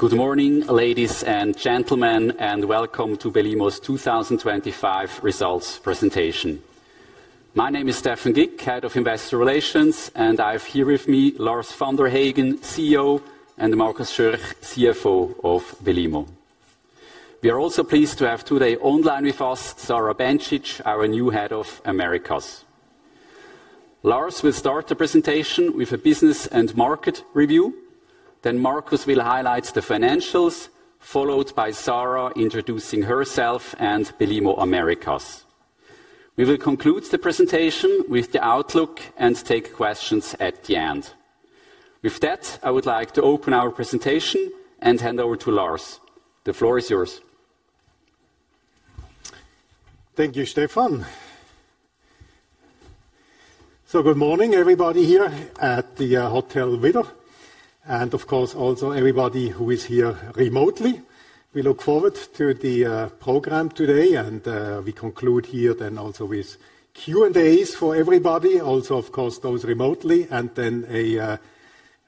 Good morning, ladies and gentlemen, and welcome to Belimo's 2025 results presentation. My name is Stephan Gick, Head of Investor Relations, and I have here with me Lars van der Haegen, CEO, and Markus Schürch, CFO of Belimo. We are also pleased to have today online with us, Sharon Bencik, our new Head of Americas. Lars will start the presentation with a business and market review, then Markus will highlight the financials, followed by Sharon introducing herself and Belimo Americas. We will conclude the presentation with the outlook and take questions at the end. With that, I would like to open our presentation and hand over to Lars. The floor is yours. Thank you, Stephan. Good morning, everybody here at the Hotel Widder, and of course, also everybody who is here remotely. We look forward to the program today, and we conclude here then also with Q&As for everybody, also, of course, those remotely, and then a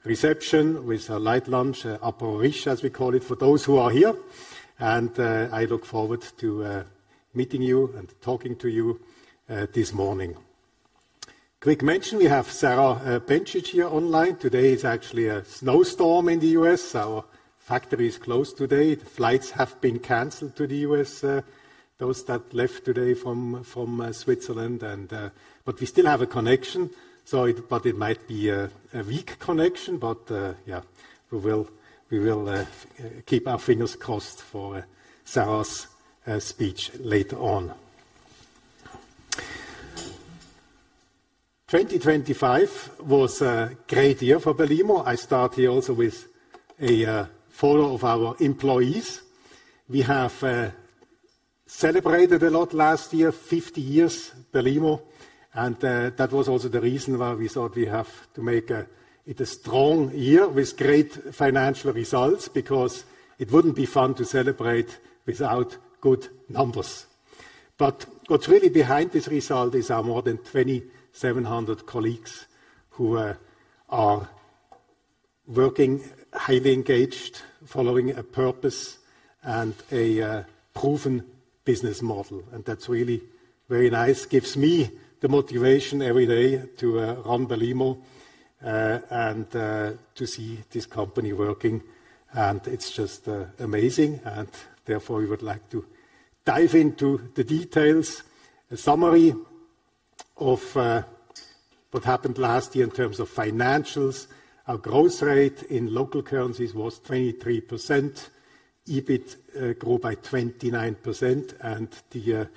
reception with a light lunch, Apéro riche, as we call it, for those who are here. I look forward to meeting you and talking to you this morning. Quick mention, we have Sharon Bencik here online. Today is actually a snowstorm in the U.S., so our factory is closed today. The flights have been canceled to the U.S., those that left today from, from Switzerland, and... We still have a connection, so it might be a, a weak connection, but yeah, we will, we will keep our fingers crossed for Sharon's speech later on. 2025 was a great year for Belimo. I start here also with a photo of our employees. We have celebrated a lot last year, 50-years Belimo, and that was also the reason why we thought we have to make it a strong year with great financial results, because it wouldn't be fun to celebrate without good numbers. What's really behind this result is our more than 2,700 colleagues who are working, highly engaged, following a purpose and a proven business model. That's really very nice. Gives me the motivation every day to run Belimo and to see this company working, and it's just amazing. Therefore, we would like to dive into the details. A summary of what happened last year in terms of financials. Our growth rate in local currencies was 23%, EBIT grew by 29%, and the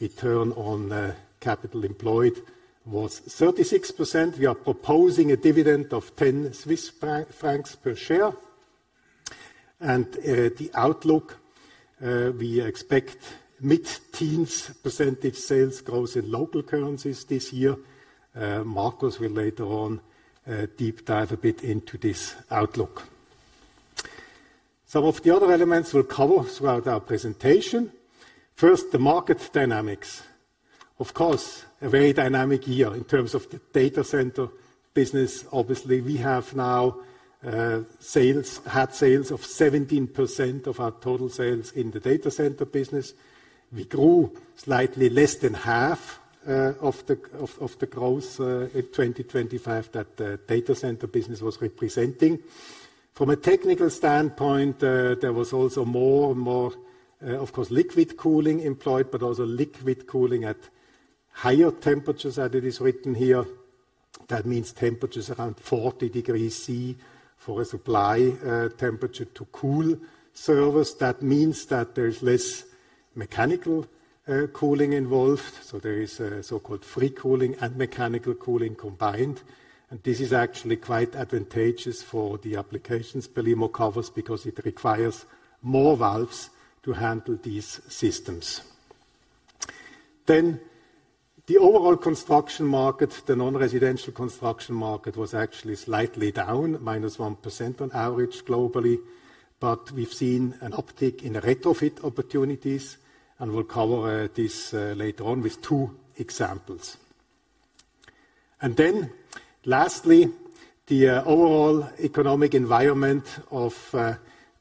return on capital employed was 36%. We are proposing a dividend of 10 Swiss francs per share. The outlook, we expect mid-teens % sales growth in local currencies this year. Markus will later on deep dive a bit into this outlook. Some of the other elements we'll cover throughout our presentation. First, the market dynamics. Of course, a very dynamic year in terms of the data center business. Obviously, we have now had sales of 17% of our total sales in the data center business. We grew slightly less than half of the growth in 2025 that the data center business was representing. From a technical standpoint, there was also more and more of course liquid cooling employed, but also liquid cooling at higher temperatures, as it is written here. That means temperatures around 40 degrees Celsius for a supply temperature to cool servers. That means that there is less mechanical cooling involved, so there is a so-called free cooling and mechanical cooling combined. This is actually quite advantageous for the applications Belimo covers because it requires more valves to handle these systems. The overall construction market, the non-residential construction market, was actually slightly down, -1% on average globally, but we've seen an uptick in retrofit opportunities, and we'll cover this later on with 2 examples. Lastly, the overall economic environment of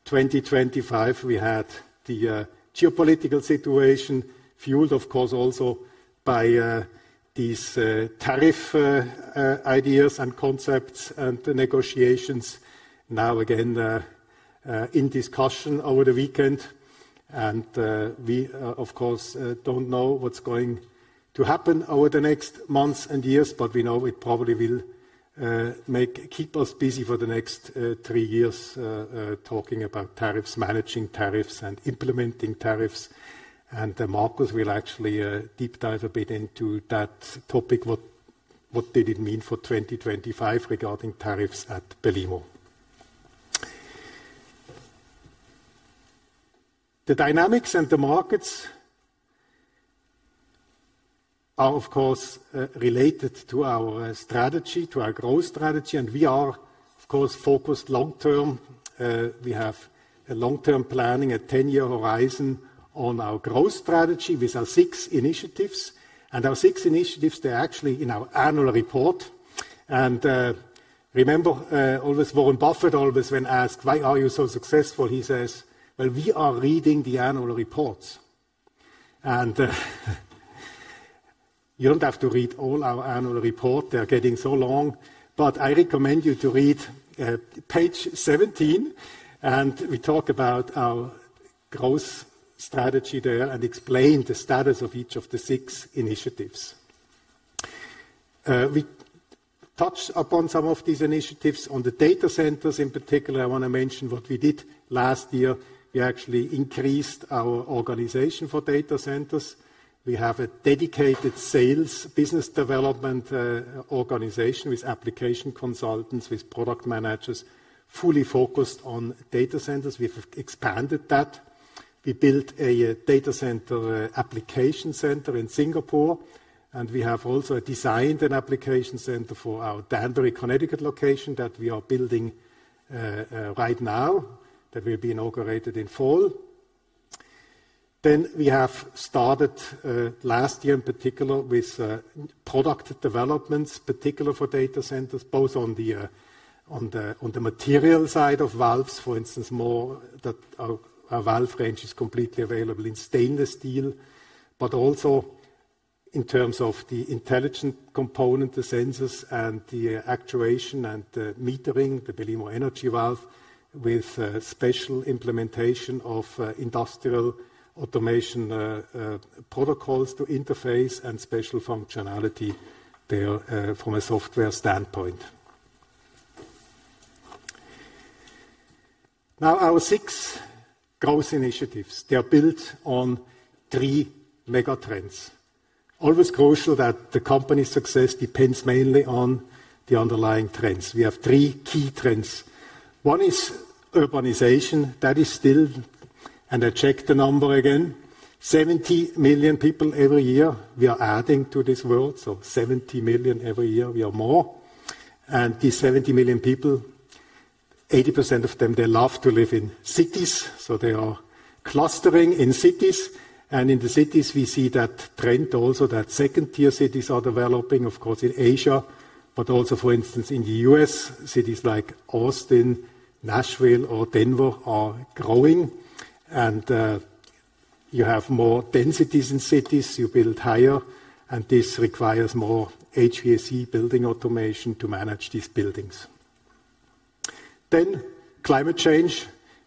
2025, we had the geopolitical situation fueled, of course, also by these tariff ideas and concepts and negotiations now again in discussion over the weekend. We, of course, don't know what's going to happen over the next months and years, but we know it probably will keep us busy for the next 3 years talking about tariffs, managing tariffs, and implementing tariffs. Markus will actually deep dive a bit into that topic. What, what did it mean for 2025 regarding tariffs at Belimo? The dynamics and the markets are, of course, related to our strategy, to our growth strategy, and we are, of course, focused long term. We have a long-term planning, a 10-year horizon on our growth strategy with our six initiatives. Our six initiatives, they're actually in our annual report.... Remember, always Warren Buffett always when asked, "Why are you so successful?" He says: "Well, we are reading the annual reports." You don't have to read all our annual report. They're getting so long, but I recommend you to read page 17, and we talk about our growth strategy there and explain the status of each of the six initiatives. We touched upon some of these initiatives. On the data centers, in particular, I wanna mention what we did last year. We actually increased our organization for data centers. We have a dedicated sales business development organization with application consultants, with product managers, fully focused on data centers. We've expanded that. We built a data center application center in Singapore. We have also designed an application center for our Danbury, Connecticut, location that we are building right now, that will be inaugurated in fall. We have started last year, in particular, with product developments, particular for data centers, both on the material side of valves, for instance, more that our, our valve range is completely available in stainless steel, but also in terms of the intelligent component, the sensors and the actuation and metering, the Belimo Energy Valve, with special implementation of industrial automation protocols to interface and special functionality there from a software standpoint. Our six growth initiatives, they are built on three mega trends. Always crucial that the company's success depends mainly on the underlying trends. We have three key trends. One is urbanization. That is still, and I checked the number again, 70 million people every year, we are adding to this world, so 70 million every year, we are more. These 70 million people, 80% of them, they love to live in cities. They are clustering in cities. In the cities, we see that trend also, that second-tier cities are developing, of course, in Asia, but also, for instance, in the U.S., cities like Austin, Nashville, or Denver are growing. You have more densities in cities. You build higher, and this requires more HVAC building automation to manage these buildings. Climate change,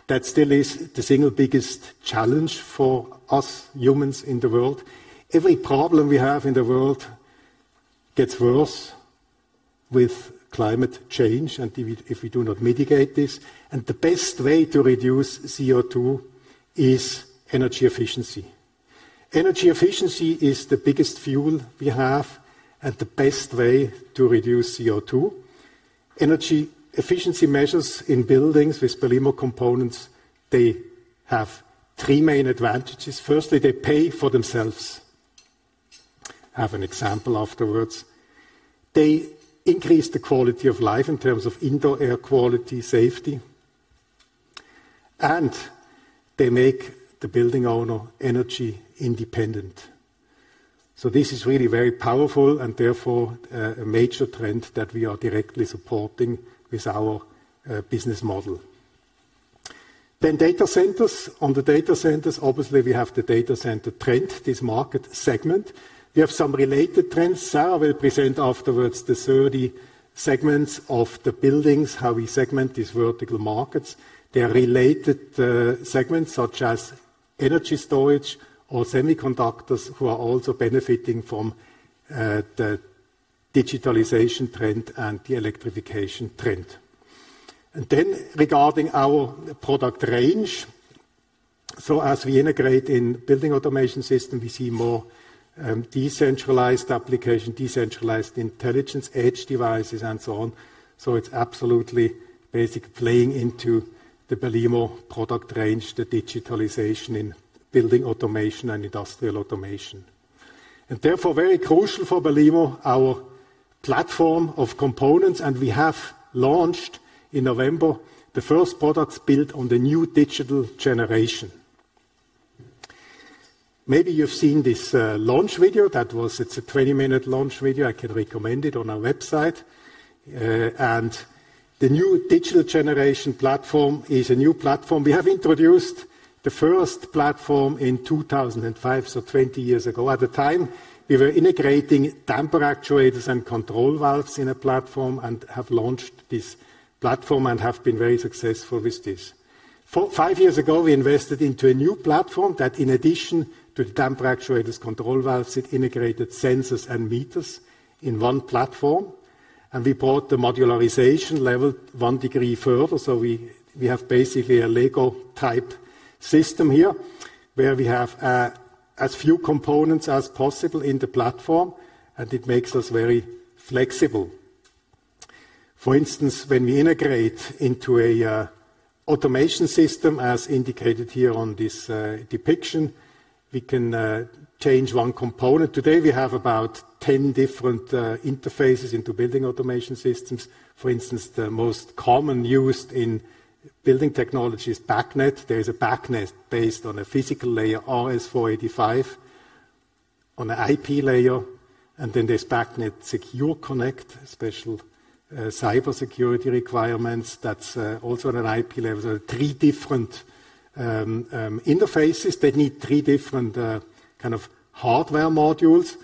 that still is the single biggest challenge for us humans in the world. Every problem we have in the world gets worse with climate change, and if we, if we do not mitigate this. The best way to reduce CO2 is energy efficiency. Energy efficiency is the biggest fuel we have and the best way to reduce CO2. Energy efficiency measures in buildings with Belimo components, they have three main advantages: firstly, they pay for themselves. I have an example afterwards. They increase the quality of life in terms of indoor air quality, safety, and they make the building owner energy independent. This is really very powerful and therefore, a major trend that we are directly supporting with our business model. Data centers. On the data centers, obviously, we have the data center trend, this market segment. We have some related trends. Sharon will present afterwards the 30 segments of the buildings, how we segment these vertical markets. They are related segments such as energy storage or semiconductors, who are also benefiting from the digitalization trend and the electrification trend. Regarding our product range, as we integrate in building automation system, we see more decentralized application, decentralized intelligence, edge devices, and so on. It's absolutely basic playing into the Belimo product range, the digitalization in building automation and industrial automation. Very crucial for Belimo, our platform of components, and we have launched in November, the first products built on the New Digital Generation. Maybe you've seen this launch video. It's a 20-minute launch video. I can recommend it on our website. The New Digital Generation platform is a new platform. We have introduced the first platform in 2005, 20 years ago. At the time, we were integrating Damper Actuators and Control Valves in a platform and have launched this platform and have been very successful with this. Five years ago, we invested into a new platform that in addition to the Damper Actuators, Control Valves, it integrated Sensors and Meters in one platform, we brought the modularization level one degree further. we have basically a Lego-type system here, where we have as few components as possible in the platform, it makes us very flexible. For instance, when we integrate into a automation system, as indicated here on this depiction, we can change one component. Today, we have about 10 different interfaces into building automation systems. For instance, the most common used in building technology is BACnet. There is a BACnet based on a physical layer, RS-485 on an IP layer, then there's BACnet Secure Connect, special cybersecurity requirements. That's also on an IP level. There are three different interfaces that need three different kind of hardware modules,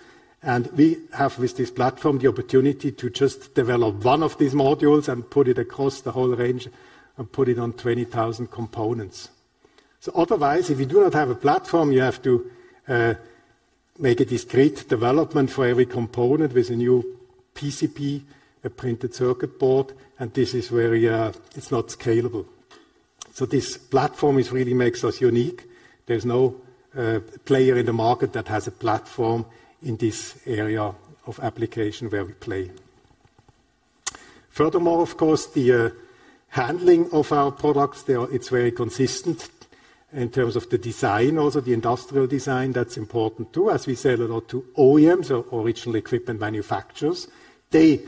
and we have, with this platform, the opportunity to just develop one of these modules and put it across the whole range and put it on 20,000 components. Otherwise, if you do not have a platform, you have to make a discrete development for every component with a new PCB, a printed circuit board, and this is very, it's not scalable. This platform is really makes us unique. There's no player in the market that has a platform in this area of application where we play. Furthermore, of course, the handling of our products, it's very consistent in terms of the design. Also, the industrial design, that's important too. We sell a lot to OEMs or original equipment manufacturers, they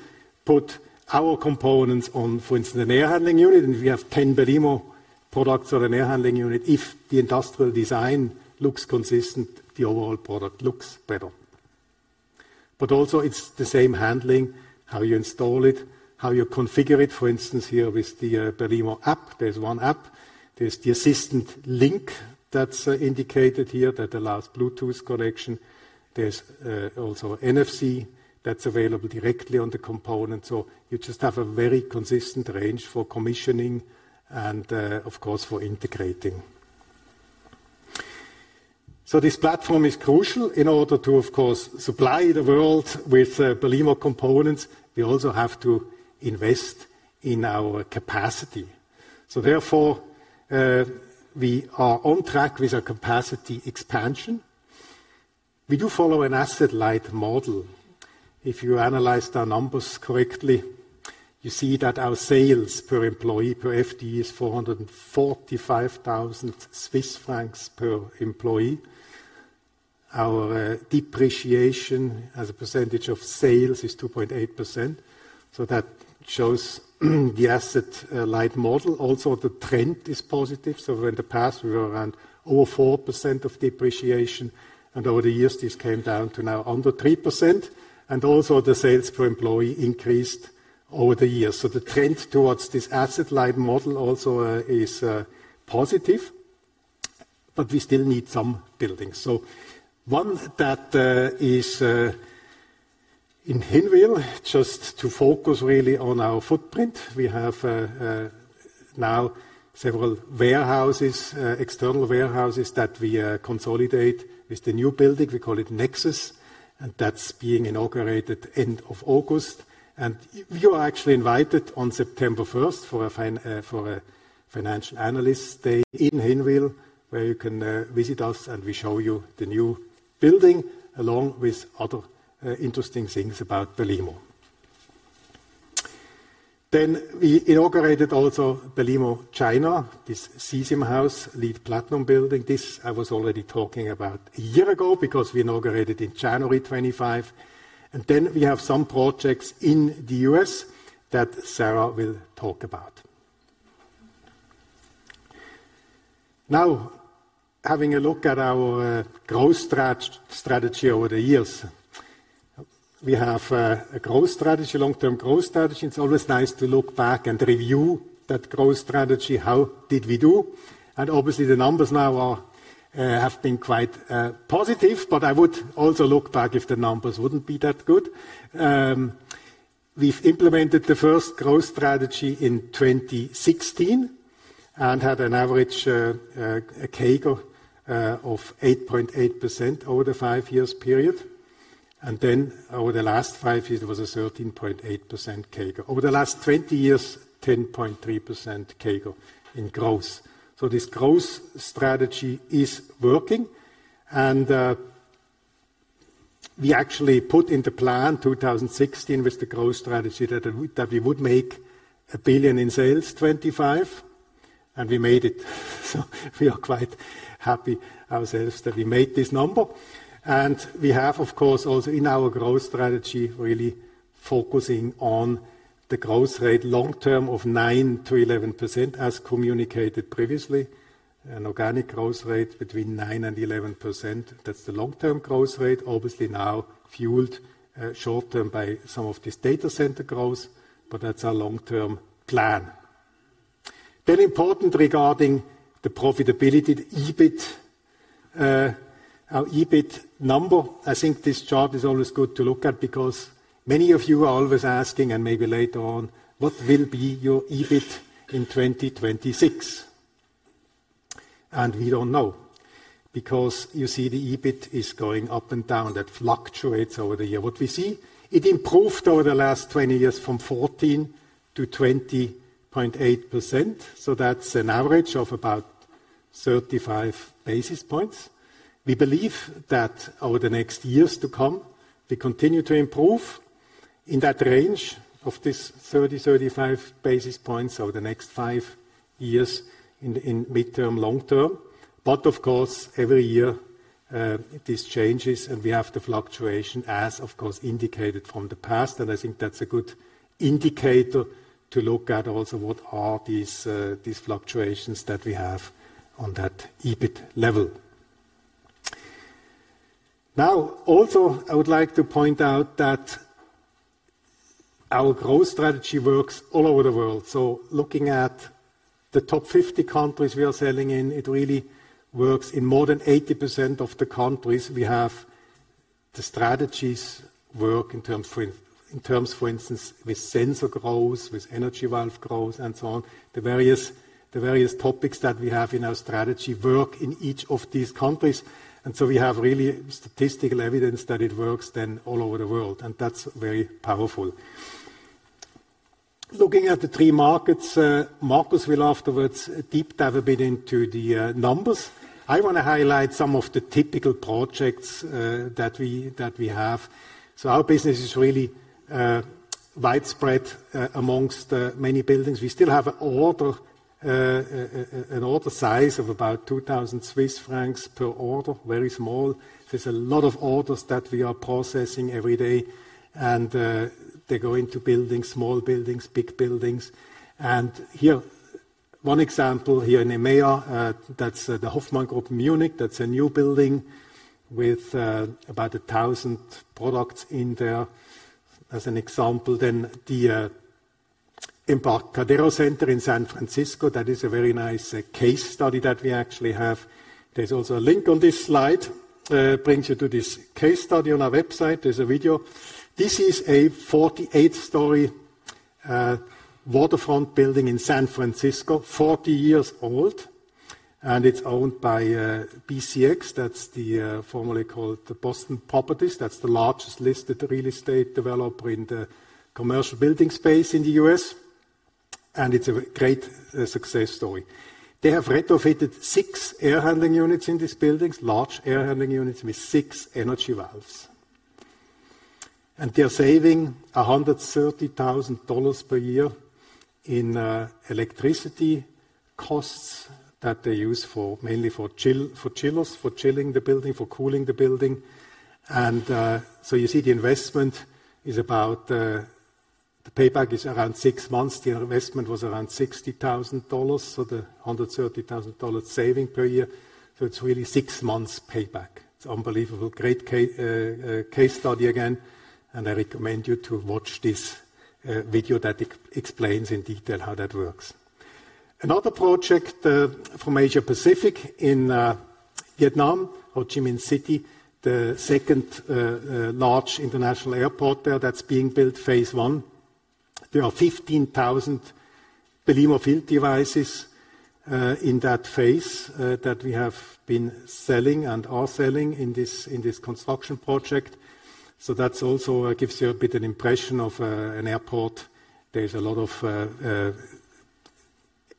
put our components on, for instance, an air handling unit, and we have 10 Belimo products or an air handling unit. If the industrial design looks consistent, the overall product looks better. Also it's the same handling, how you install it, how you configure it. For instance, here with the Belimo app, there's 1 app, there's the Assistant Link that's indicated here that allows Bluetooth connection. There's also NFC that's available directly on the component, so you just have a very consistent range for commissioning and, of course, for integrating. This platform is crucial. In order to, of course, supply the world with Belimo components, we also have to invest in our capacity. Therefore, we are on track with our capacity expansion. We do follow an asset-light model. If you analyzed our numbers correctly, you see that our sales per employee per FTE is 445,000 Swiss francs per employee. Our depreciation as a percentage of sales is 2.8%, so that shows the asset light model. Also, the trend is positive. In the past, we were around over 4% of depreciation, and over the years, this came down to now under 3%, and also the sales per employee increased over the years. The trend towards this asset-light model also is positive, but we still need some buildings. One that is in Hinwil, just to focus really on our footprint. We have now several warehouses, external warehouses that we consolidate with the new building. We call it Nexus, and that's being inaugurated end of August. You are actually invited on September 1st for a financial analyst stay in Hinwil, where you can visit us, and we show you the new building, along with other interesting things about Belimo. We inaugurated also Belimo China, this CESIM House, LEED Platinum building. This I was already talking about a year ago because we inaugurated in January 25, and we have some projects in the U.S. that Sharon will talk about. Having a look at our growth strategy over the years. We have a growth strategy, long-term growth strategy. It's always nice to look back and review that growth strategy. How did we do? Obviously, the numbers now are have been quite positive, but I would also look back if the numbers wouldn't be that good. We've implemented the first growth strategy in 2016 and had an average CAGR of 8.8% over the five years period, and then over the last five years, it was a 13.8% CAGR. Over the last 20 years, 10.3% CAGR in growth. This growth strategy is working, and we actually put in the plan 2016 with the growth strategy that we, that we would make 1 billion in sales 2025, and we made it. We are quite happy ourselves that we made this number. We have, of course, also in our growth strategy, really focusing on the growth rate long term of 9%-11%, as communicated previously, an organic growth rate between 9% and 11%. That's the long-term growth rate, obviously now fueled short-term by some of this data center growth, but that's our long-term plan. Important regarding the profitability, the EBIT, our EBIT number. I think this job is always good to look at because many of you are always asking, and maybe later on, "What will be your EBIT in 2026?" We don't know, because you see, the EBIT is going up and down. That fluctuates over the year. What we see, it improved over the last 20 years from 14 to 20.8%, so that's an average of about 35 basis points. We believe that over the next years to come, we continue to improve in that range of this 30-35 basis points over the next 5 years in midterm, long-term. Of course, every year, this changes, and we have the fluctuation as, of course, indicated from the past. I think that's a good indicator to look at also, what are these, these fluctuations that we have on that EBIT level? Also, I would like to point out that our growth strategy works all over the world. Looking at the top 50 countries we are selling in, it really works. In more than 80% of the countries we have, the strategies work in terms for, in terms, for instance, with sensor growth, with Energy Valve growth, and so on. The various, the various topics that we have in our strategy work in each of these countries, we have really statistical evidence that it works then all over the world, and that's very powerful. Looking at the three markets, Markus will afterwards deep dive a bit into the numbers. I want to highlight some of the typical projects that we have. Our business is really widespread amongst many buildings. We still have an order size of about 2,000 Swiss francs per order, very small. There's a lot of orders that we are processing every day, they go into buildings, small buildings, big buildings. Here, one example here in EMEA, that's the Hoffmann Group in Munich. That's a new building with about 1,000 products in there. As an example, the Embarcadero Center in San Francisco, that is a very nice case study that we actually have. There's also a link on this slide, brings you to this case study on our website. There's a video. This is a 48-story waterfront building in San Francisco, 40 years old, and it's owned by BCX. That's the formerly called the Boston Properties. That's the largest listed real estate developer in the commercial building space in the U.S., and it's a great success story. They have retrofitted six air handling units in these buildings, large air handling units with six Energy Valves. They are saving $130,000 per year in electricity costs that they use for, mainly for chillers, for chilling the building, for cooling the building. You see the investment is about the payback is around six months. The investment was around CHF 60,000, the CHF 130,000 saving per year, it's really 6 months payback. It's unbelievable. Great case study again, I recommend you to watch this video that explains in detail how that works. Another project from Asia Pacific in Vietnam, Ho Chi Minh City, the second large international airport there that's being built, phase one. There are 15,000 Belimo field devices in that phase that we have been selling and are selling in this, in this construction project. That's also gives you a bit an impression of an airport. There's a lot of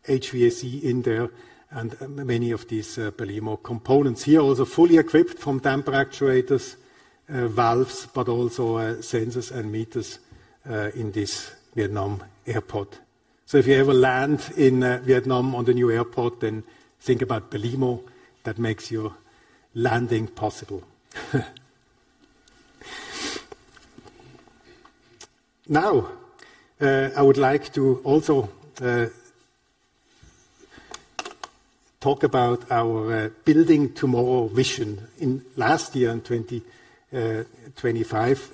HVAC in there and many of these Belimo components. Here, also fully equipped from Damper Actuators, valves, but also, Sensors and Meters, in this Vietnam airport. If you ever land in Vietnam on the new airport, then think about Belimo. That makes your landing possible. Now, I would like to also talk about our Building Tomorrow vision. Last year, in 2025,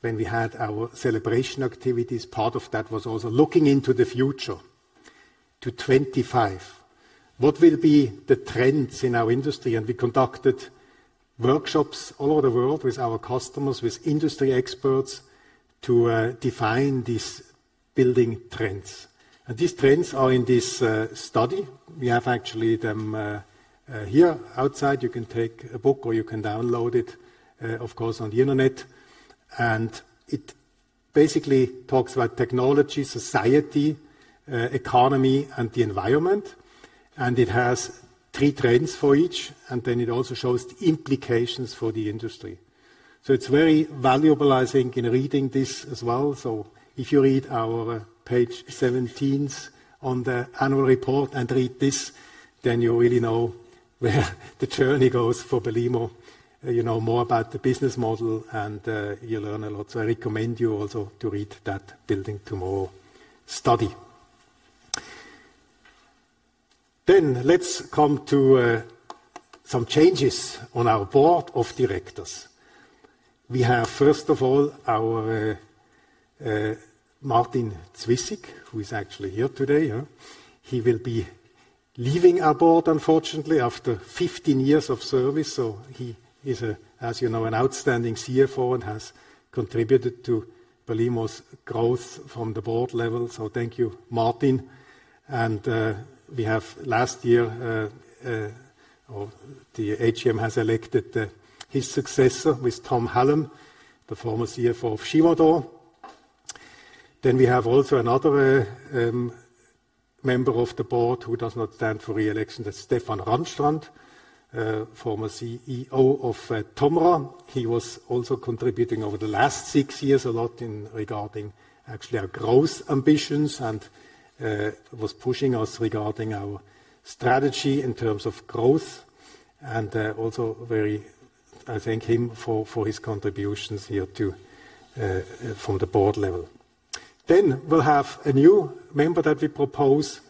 when we had our celebration activities, part of that was also looking into the future to 25. What will be the trends in our industry? We conducted workshops all over the world with our customers, with industry experts, to define these building trends. These trends are in this study. We have actually them here outside. You can take a book or you can download it, of course, on the internet. It basically talks about technology, society, economy, and the environment. It has three trends for each, it also shows the implications for the industry. It's very valuable, I think, in reading this as well. If you read our page 17s on the annual report and read this, then you really know where the journey goes for Belimo. You know more about the business model, and you learn a lot. I recommend you also to read that Building Tomorrow study. Let's come to some changes on our board of directors. We have, first of all, our Martin Zwyssig, who is actually here today, huh? He will be leaving our board, unfortunately, after 15 years of service. He is a, as you know, an outstanding CFO and has contributed to Belimo's growth from the board level. Thank you, Martin. We have last year, or the AGM has elected his successor, who is Tom Hallam, the former CFO of Shimadzu. We have also another member of the board who does not stand for re-election. That's Stefan Ranstrand, former CEO of Tomra. He was also contributing over the last six years, a lot in regarding actually our growth ambitions and was pushing us regarding our strategy in terms of growth. Also very. I thank him for, for his contributions here, too, from the board level. We'll have a new member that we propose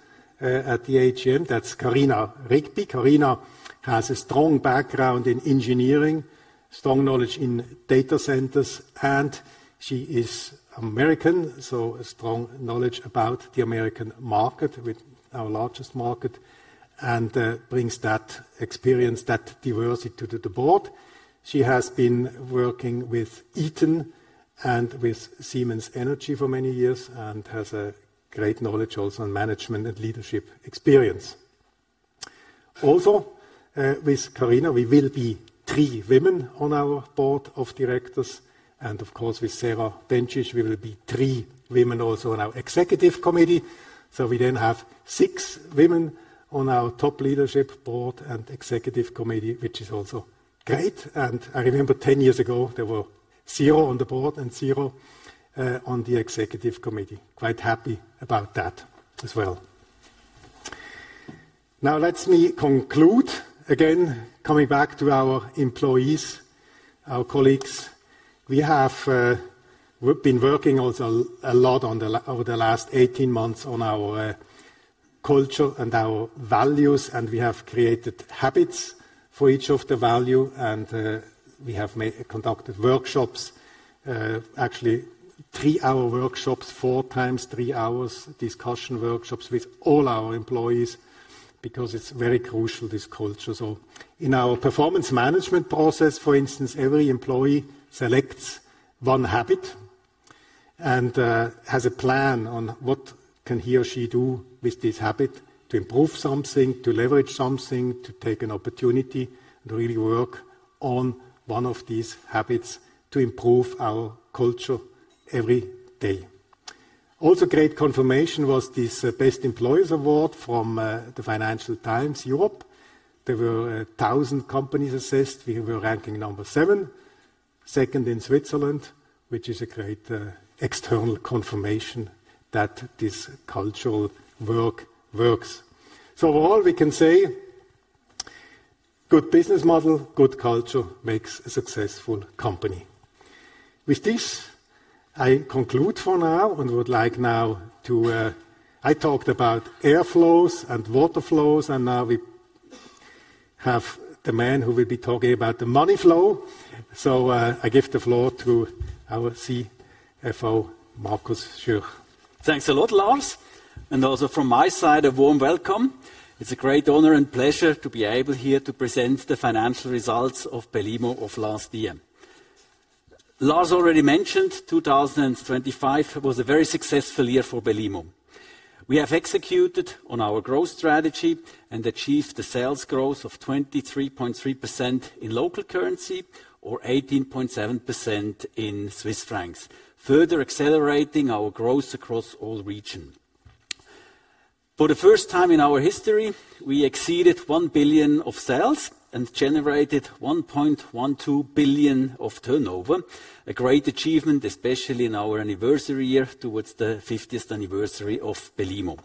at the AGM. That's Karina Rigby. Karina has a strong background in engineering, strong knowledge in data centers, and she is American, so a strong knowledge about the American market, with our largest market, and brings that experience, that diversity to the Board. She has been working with Eaton and with Siemens Energy for many years and has a great knowledge also on management and leadership experience. Also, with Karina, we will be 3 women on our Board of Directors, and of course, with Sara Dencich, we will be 3 women also on our Executive Committee. We then have 6 women on our top leadership Board and Executive Committee, which is also great. I remember 10 years ago, there were 0 on the Board and 0 on the Executive Committee. Quite happy about that as well. Now, let me conclude. Again, coming back to our employees, our colleagues, we have, we've been working also a lot over the last 18 months on our culture and our values. We have created habits for each of the value. We have made, conducted workshops, actually 3-hour workshops, 4 times, 3 hours, discussion workshops with all our employees, because it's very crucial, this culture. In our performance management process, for instance, every employee selects 1 habit and has a plan on what can he or she do with this habit to improve something, to leverage something, to take an opportunity, and really work on one of these habits to improve our culture every day. Also, great confirmation was this Best Employers Award from the Financial Times, Europe. There were 1,000 companies assessed. We were ranking number seven, second in Switzerland, which is a great, external confirmation that this cultural work works. All we can say, good business model, good culture makes a successful company. With this, I conclude for now and would like now to... I talked about air flows and water flows, and now we have the man who will be talking about the money flow. I give the floor to our CFO, Markus Schürch. Thanks a lot, Lars, and also from my side, a warm welcome. It's a great honor and pleasure to be able here to present the financial results of Belimo of last year. Lars already mentioned, 2025 was a very successful year for Belimo. We have executed on our growth strategy and achieved the sales growth of 23.3% in local currency or 18.7% in CHF, further accelerating our growth across all region. For the first time in our history, we exceeded 1 billion of sales and generated 1.12 billion of turnover. A great achievement, especially in our anniversary year, towards the 50th anniversary of Belimo.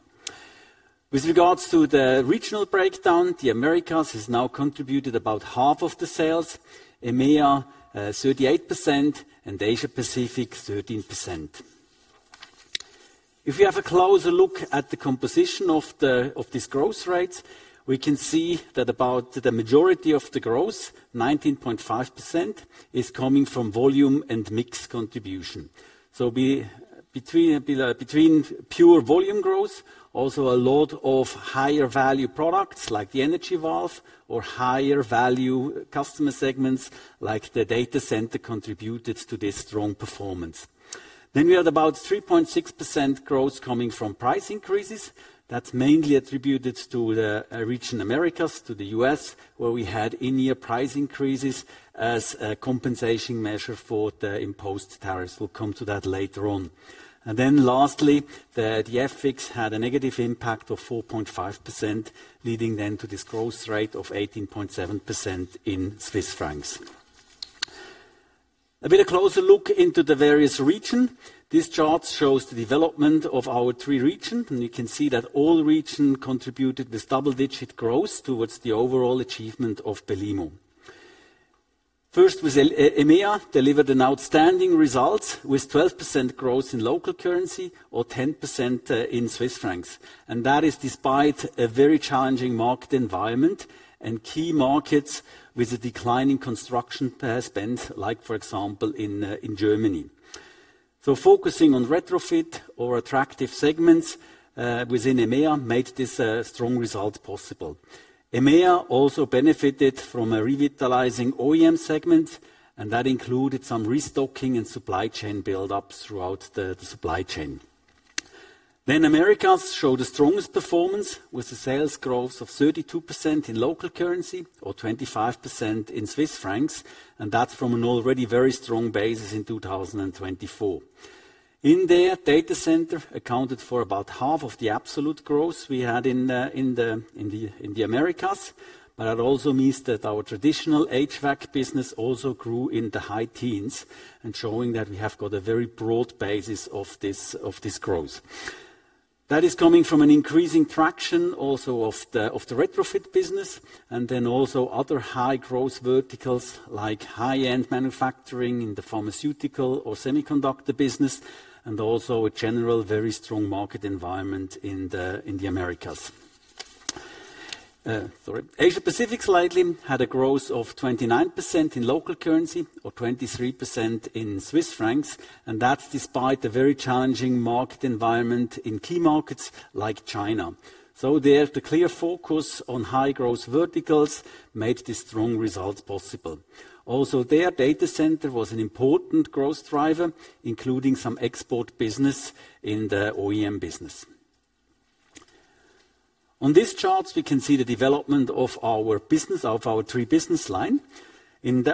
With regards to the regional breakdown, the Americas has now contributed about half of the sales, EMEA, 38%, and Asia Pacific, 13%. If you have a closer look at the composition of the, of this growth rates, we can see that about the majority of the growth, 19.5%, is coming from volume and mix contribution. Between pure volume growth, also a lot of higher value products, like the Energy Valve or higher value customer segments, like the data center, contributed to this strong performance. We had about 3.6% growth coming from price increases. That's mainly attributed to the region Americas, to the U.S., where we had in-year price increases as a compensation measure for the imposed tariffs. We'll come to that later on. Lastly, the FX had a negative impact of 4.5%, leading to this growth rate of 18.7% in Swiss francs. A bit a closer look into the various regions. This chart shows the development of our three regions, and you can see that all regions contributed this double-digit growth towards the overall achievement of Belimo. First was EMEA, delivered an outstanding result with 12% growth in local currency or 10% in CHF. That is despite a very challenging market environment and key markets with a decline in construction spend, like, for example, in Germany. Focusing on retrofit or attractive segments within EMEA made this strong result possible. EMEA also benefited from a revitalizing OEM segment, and that included some restocking and supply chain buildups throughout the supply chain. Americas showed the strongest performance, with a sales growth of 32% in local currency or 25% in CHF, and that's from an already very strong basis in 2024. In there, data center accounted for about half of the absolute growth we had in the Americas, but it also means that our traditional HVAC business also grew in the high teens and showing that we have got a very broad basis of this, of this growth. That is coming from an increasing traction also of the retrofit business, and then also other high growth verticals, like high-end manufacturing in the pharmaceutical or semiconductor business, and also a general, very strong market environment in the Americas. Sorry. Asia Pacific slightly had a growth of 29% in local currency, or 23% in CHF, that's despite the very challenging market environment in key markets like China. There, the clear focus on high growth verticals made the strong results possible. Also, their data center was an important growth driver, including some export business in the OEM business. On this chart, we can see the development of our business, of our three business line.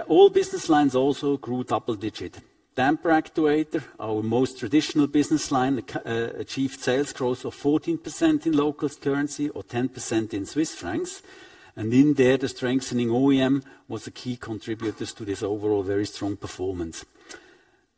All business lines also grew double-digit. Damper Actuator, our most traditional business line, achieved sales growth of 14% in local currency or 10% in CHF, in there, the strengthening OEM was a key contributor to this overall very strong performance.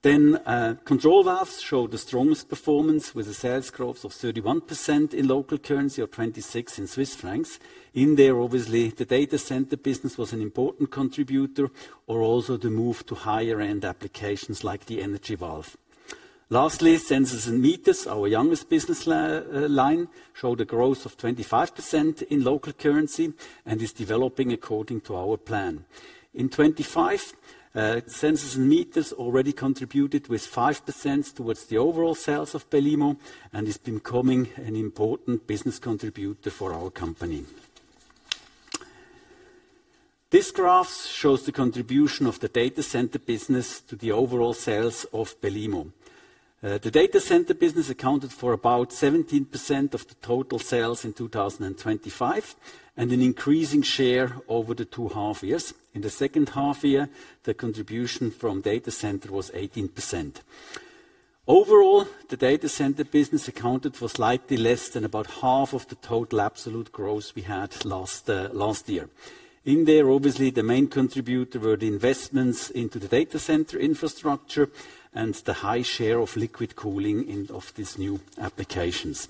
Control Valves showed the strongest performance, with a sales growth of 31% in local currency or 26% in CHF. In there, obviously, the data center business was an important contributor, or also the move to higher end applications like the Energy Valve. Lastly, Sensors and Meters, our youngest business line, showed a growth of 25% in local currency and is developing according to our plan. In 2025, Sensors and Meters already contributed with 5% towards the overall sales of Belimo, and is becoming an important business contributor for our company. This graph shows the contribution of the data center business to the overall sales of Belimo. The data center business accounted for about 17% of the total sales in 2025, and an increasing share over the two half years. In the second half year, the contribution from data center was 18%. Overall, the data center business accounted for slightly less than about half of the total absolute growth we had last year. In there, obviously, the main contributor were the investments into the data center infrastructure and the high share of liquid cooling in of these new applications.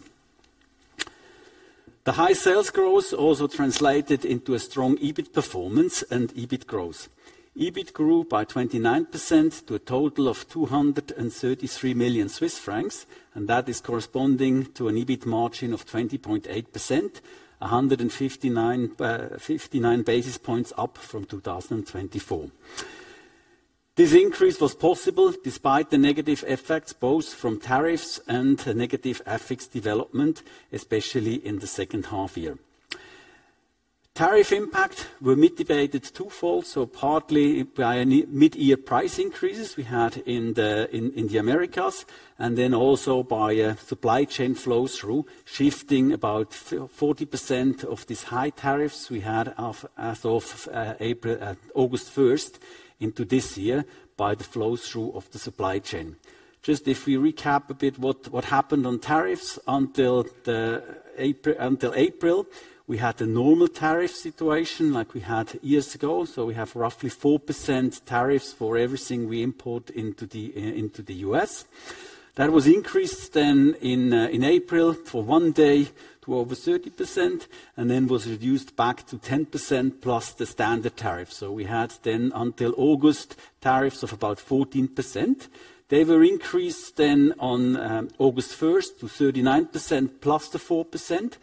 The high sales growth also translated into a strong EBIT performance and EBIT growth. EBIT grew by 29% to a total of 233 million Swiss francs. That is corresponding to an EBIT margin of 20.8%, 159 basis points up from 2024. This increase was possible despite the negative effects, both from tariffs and the negative FX development, especially in the second half year. Tariff impact were mitigated twofold, so partly by a mid-year price increases we had in the, in, in the Americas, and then also by a supply chain flow-through, shifting about 40% of these high tariffs we had of, as of April, August 1st, into this year by the flow-through of the supply chain. Just if we recap a bit what, what happened on tariffs until the April, until April, we had a normal tariff situation like we had years ago, so we have roughly 4% tariffs for everything we import into the U.S. That was increased then in April, for one day to over 30%, and then was reduced back to 10% plus the standard tariff. We had then, until August, tariffs of about 14%. They were increased then on August 1st to 39% + 4%.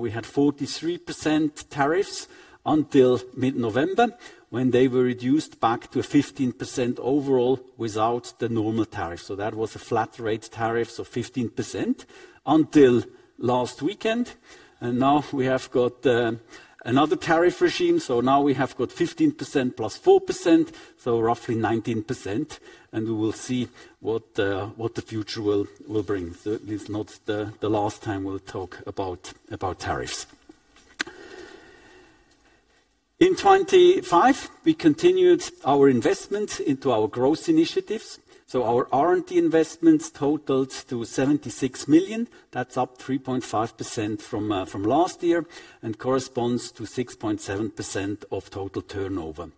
We had 43% tariffs until mid-November, when they were reduced back to a 15% overall without the normal tariff. That was a flat rate tariff, 15% until last weekend, and now we have got another tariff regime. Now we have got 15% + 4%, roughly 19%, and we will see what the, what the future will, will bring. It is not the, the last time we'll talk about, about tariffs. In 2025, we continued our investments into our growth initiatives, so our R&D investments totaled to 76 million. That's up 3.5% from last year and corresponds to 6.7% of total turnover.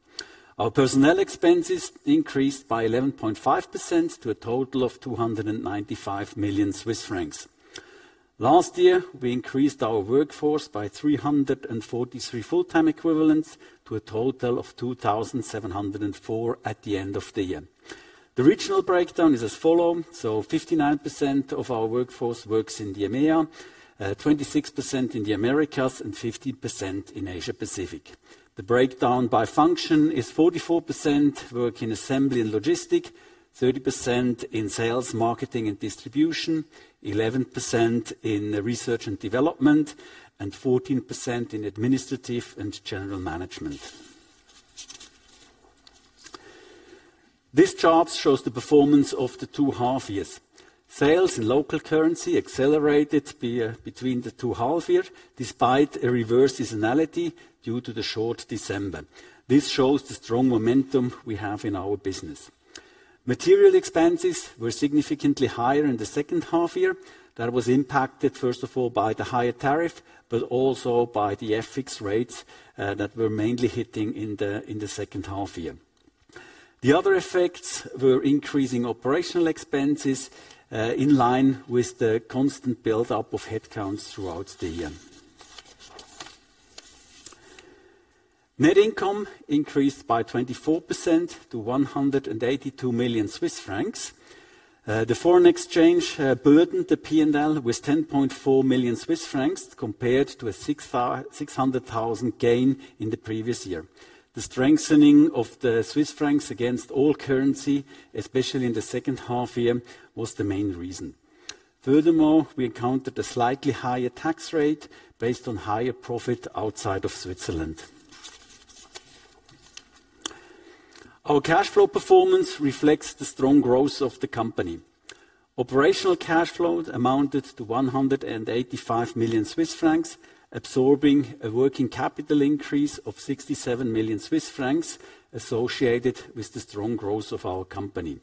Our personnel expenses increased by 11.5% to a total of 295 million Swiss francs. Last year, we increased our workforce by 343 full-time equivalents to a total of 2,704 at the end of the year. The regional breakdown is as follow: 59% of our workforce works in the EMEA, 26% in the Americas, and 15% in Asia Pacific. The breakdown by function is 44% work in assembly and logistic, 30% in sales, marketing, and distribution, 11% in research and development, and 14% in administrative and general management. This chart shows the performance of the two half years. Sales and local currency accelerated between the two half year, despite a reverse seasonality due to the short December. This shows the strong momentum we have in our business. Material expenses were significantly higher in the second half year. That was impacted, first of all, by the higher tariff, but also by the FX rates that were mainly hitting in the second half year. The other effects were increasing operational expenses in line with the constant build-up of headcounts throughout the year. Net income increased by 24% to 182 million Swiss francs. The foreign exchange burdened the P&L with 10.4 million Swiss francs, compared to a 600,000 gain in the previous year. The strengthening of the Swiss francs against all currency, especially in the second half year, was the main reason. Furthermore, we encountered a slightly higher tax rate based on higher profit outside of Switzerland. Our cash flow performance reflects the strong growth of the company. Operational cash flow amounted to 185 million Swiss francs, absorbing a working capital increase of 67 million Swiss francs, associated with the strong growth of our company.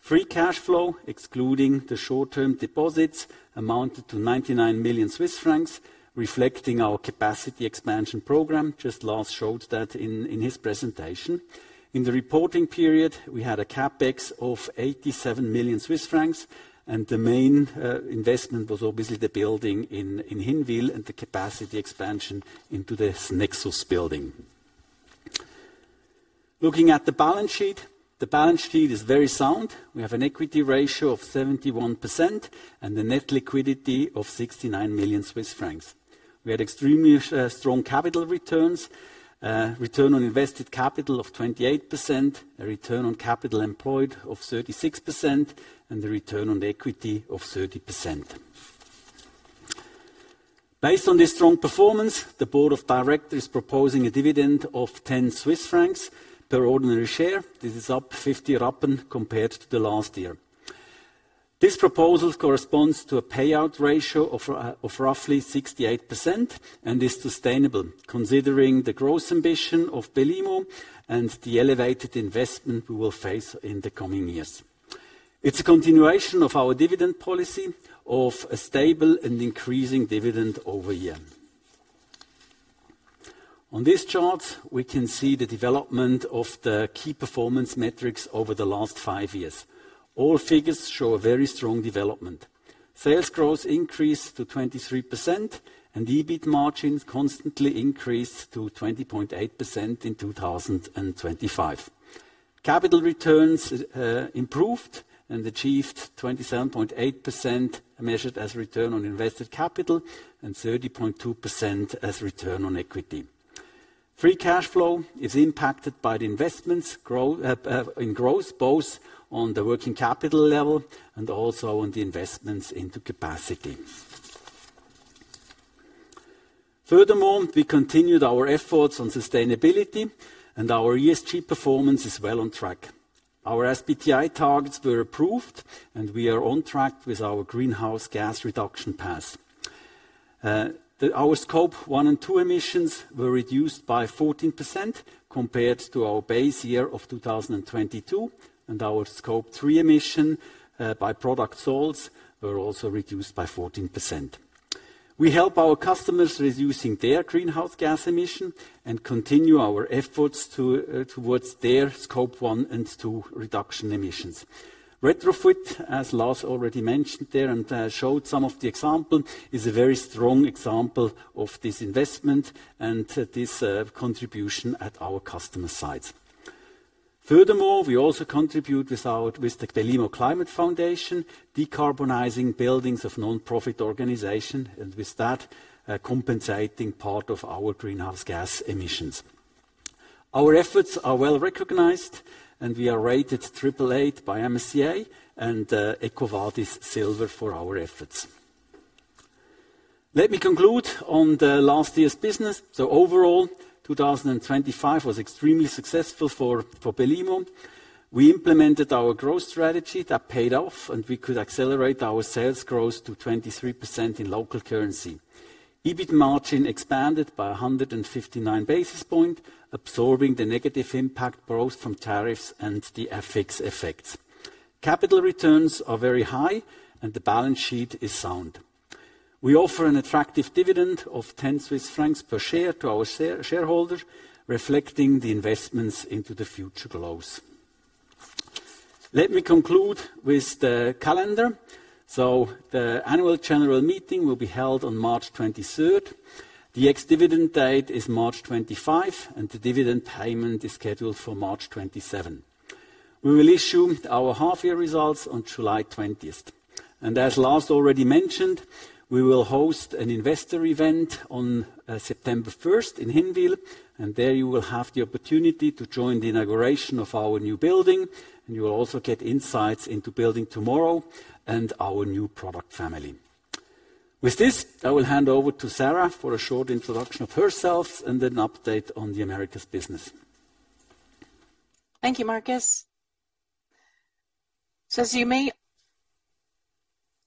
Free cash flow, excluding the short-term deposits, amounted to 99 million Swiss francs, reflecting our capacity expansion program. Just Lars showed that in his presentation. In the reporting period, we had a CapEx of 87 million Swiss francs, the main investment was obviously the building in Hinwil and the capacity expansion into this Nexus building. Looking at the balance sheet, the balance sheet is very sound. We have an equity ratio of 71% and a net liquidity of 69 million Swiss francs. We had extremely strong capital returns. Return on invested capital of 28%, a return on capital employed of 36%, a return on the equity of 30%. Based on this strong performance, the board of directors is proposing a dividend of 10 Swiss francs per ordinary share. This is up 50 Rappen compared to the last year. This proposal corresponds to a payout ratio of roughly 68% and is sustainable, considering the growth ambition of Belimo and the elevated investment we will face in the coming years. It's a continuation of our dividend policy of a stable and increasing dividend over year. On this chart, we can see the development of the key performance metrics over the last 5 years. All figures show a very strong development. Sales growth increased to 23%, and EBIT margins constantly increased to 20.8% in 2025. Capital returns improved and achieved 27.8%, measured as return on invested capital, and 30.2% as return on equity. Free cash flow is impacted by the investments grow in growth, both on the working capital level and also on the investments into capacity. Furthermore, we continued our efforts on sustainability, and our ESG performance is well on track. Our SBTi targets were approved, and we are on track with our greenhouse gas reduction path. Our Scope 1 and 2 emissions were reduced by 14% compared to our base year of 2022, and our Scope 3 emission, by product salts, were also reduced by 14%. We help our customers reducing their greenhouse gas emission and continue our efforts to towards their Scope 1 and 2 reduction emissions. RetroFIT+, as Lars already mentioned there and showed some of the example, is a very strong example of this investment and this contribution at our customer sites. Furthermore, we also contribute with our with the Belimo Climate Foundation, decarbonizing buildings of nonprofit organization, and with that, compensating part of our greenhouse gas emissions. Our efforts are well recognized. We are rated triple A by MSCI and EcoVadis Silver for our efforts. Let me conclude on the last year's business. Overall, 2025 was extremely successful for Belimo. We implemented our growth strategy that paid off, and we could accelerate our sales growth to 23% in local currency. EBIT margin expanded by 159 basis points, absorbing the negative impact both from tariffs and the FX effects. Capital returns are very high, and the balance sheet is sound. We offer an attractive dividend of 10 Swiss francs per share to our shareholders, reflecting the investments into the future growth. Let me conclude with the calendar. The annual general meeting will be held on March 23rd. The ex-dividend date is March 25, and the dividend payment is scheduled for March 27. We will issue our half-year results on July 20th. As Lars already mentioned, we will host an investor event on September 1st in Hinwil, and there you will have the opportunity to join the inauguration of our new building, and you will also get insights into Building Tomorrow and our new product family. With this, I will hand over to Sharon for a short introduction of herself and an update on the Americas business. Thank you, Markus. As you may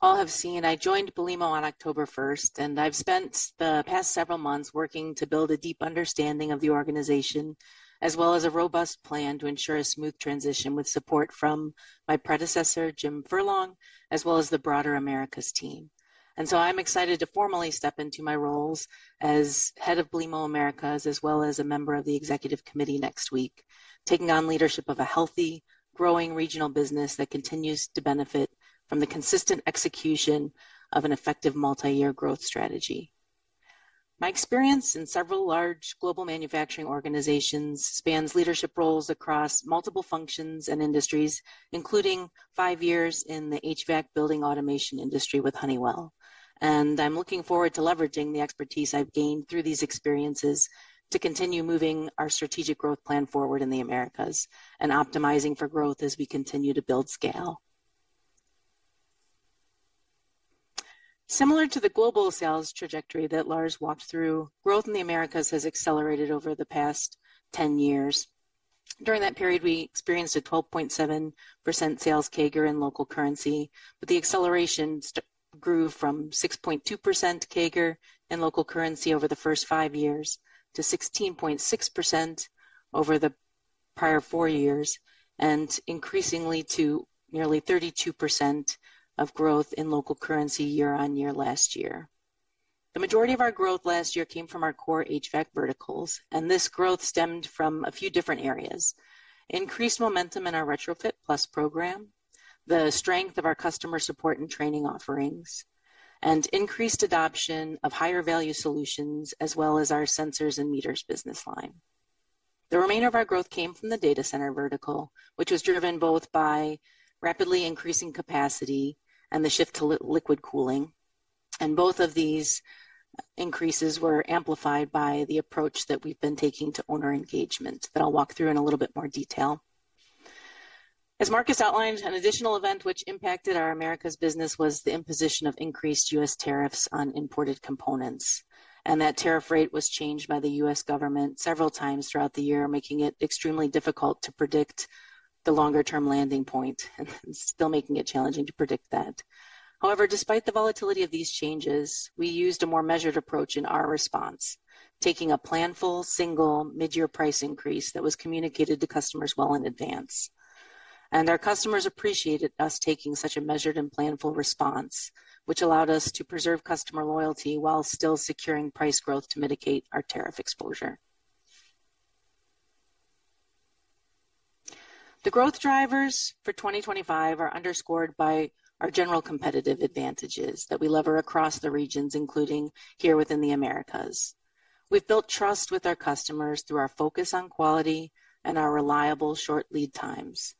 all have seen, I joined Belimo on October first, and I've spent the past several months working to build a deep understanding of the organization, as well as a robust plan to ensure a smooth transition with support from my predecessor, Jim Furlong, as well as the broader Americas team. I'm excited to formally step into my roles as Head of Belimo Americas, as well as a member of the Executive Committee next week, taking on leadership of a healthy, growing regional business that continues to benefit from the consistent execution of an effective multi-year growth strategy.... My experience in several large global manufacturing organizations spans leadership roles across multiple functions and industries, including five years in the HVAC building automation industry with Honeywell. I'm looking forward to leveraging the expertise I've gained through these experiences to continue moving our strategic growth plan forward in the Americas and optimizing for growth as we continue to build scale. Similar to the global sales trajectory that Lars walked through, growth in the Americas has accelerated over the past 10 years. During that period, we experienced a 12.7% sales CAGR in local currency, the acceleration grew from 6.2% CAGR in local currency over the first five years to 16.6% over the prior four years, and increasingly to nearly 32% of growth in local currency year-on-year last year. The majority of our growth last year came from our core HVAC verticals, and this growth stemmed from a few different areas: increased momentum in our RetroFIT+ program, the strength of our customer support and training offerings, and increased adoption of higher value solutions, as well as our sensors and meters business line. The remainder of our growth came from the data center vertical, which was driven both by rapidly increasing capacity and the shift to liquid cooling. Both of these increases were amplified by the approach that we've been taking to owner engagement, that I'll walk through in a little bit more detail. As Markus outlined, an additional event which impacted our Americas' business was the imposition of increased U.S. tariffs on imported components. That tariff rate was changed by the U.S. government several times throughout the year, making it extremely difficult to predict the longer-term landing point, and still making it challenging to predict that. However, despite the volatility of these changes, we used a more measured approach in our response, taking a planful, single mid-year price increase that was communicated to customers well in advance. Our customers appreciated us taking such a measured and planful response, which allowed us to preserve customer loyalty while still securing price growth to mitigate our tariff exposure. The growth drivers for 2025 are underscored by our general competitive advantages that we lever across the regions, including here within the Americas. We've built trust with our customers through our focus on quality and our reliable short lead times.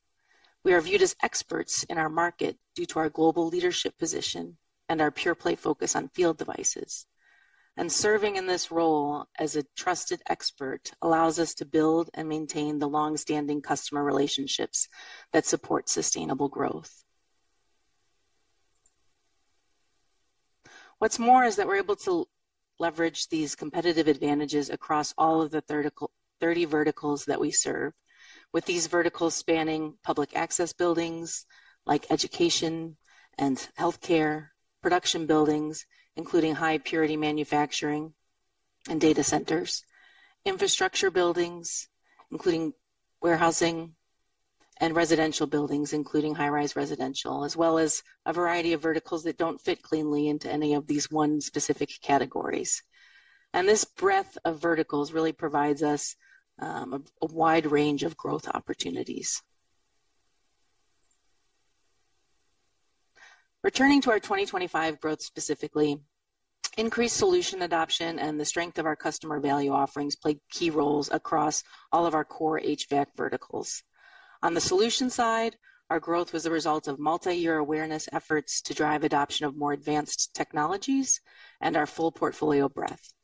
We are viewed as experts in our market due to our global leadership position and our pure play focus on field devices. Serving in this role as a trusted expert allows us to build and maintain the long-standing customer relationships that support sustainable growth. What's more, is that we're able to leverage these competitive advantages across all of the 30 verticals that we serve. With these verticals spanning public access buildings like education and healthcare, production buildings, including high purity manufacturing and data centers, infrastructure buildings, including warehousing and residential buildings, including high-rise residential, as well as a variety of verticals that don't fit cleanly into any of these one specific categories. This breadth of verticals really provides us a wide range of growth opportunities. Returning to our 2025 growth specifically, increased solution adoption and the strength of our customer value offerings played key roles across all of our core HVAC verticals. On the solution side, our growth was a result of multi-year awareness efforts to drive adoption of more advanced technologies and our full portfolio breadth.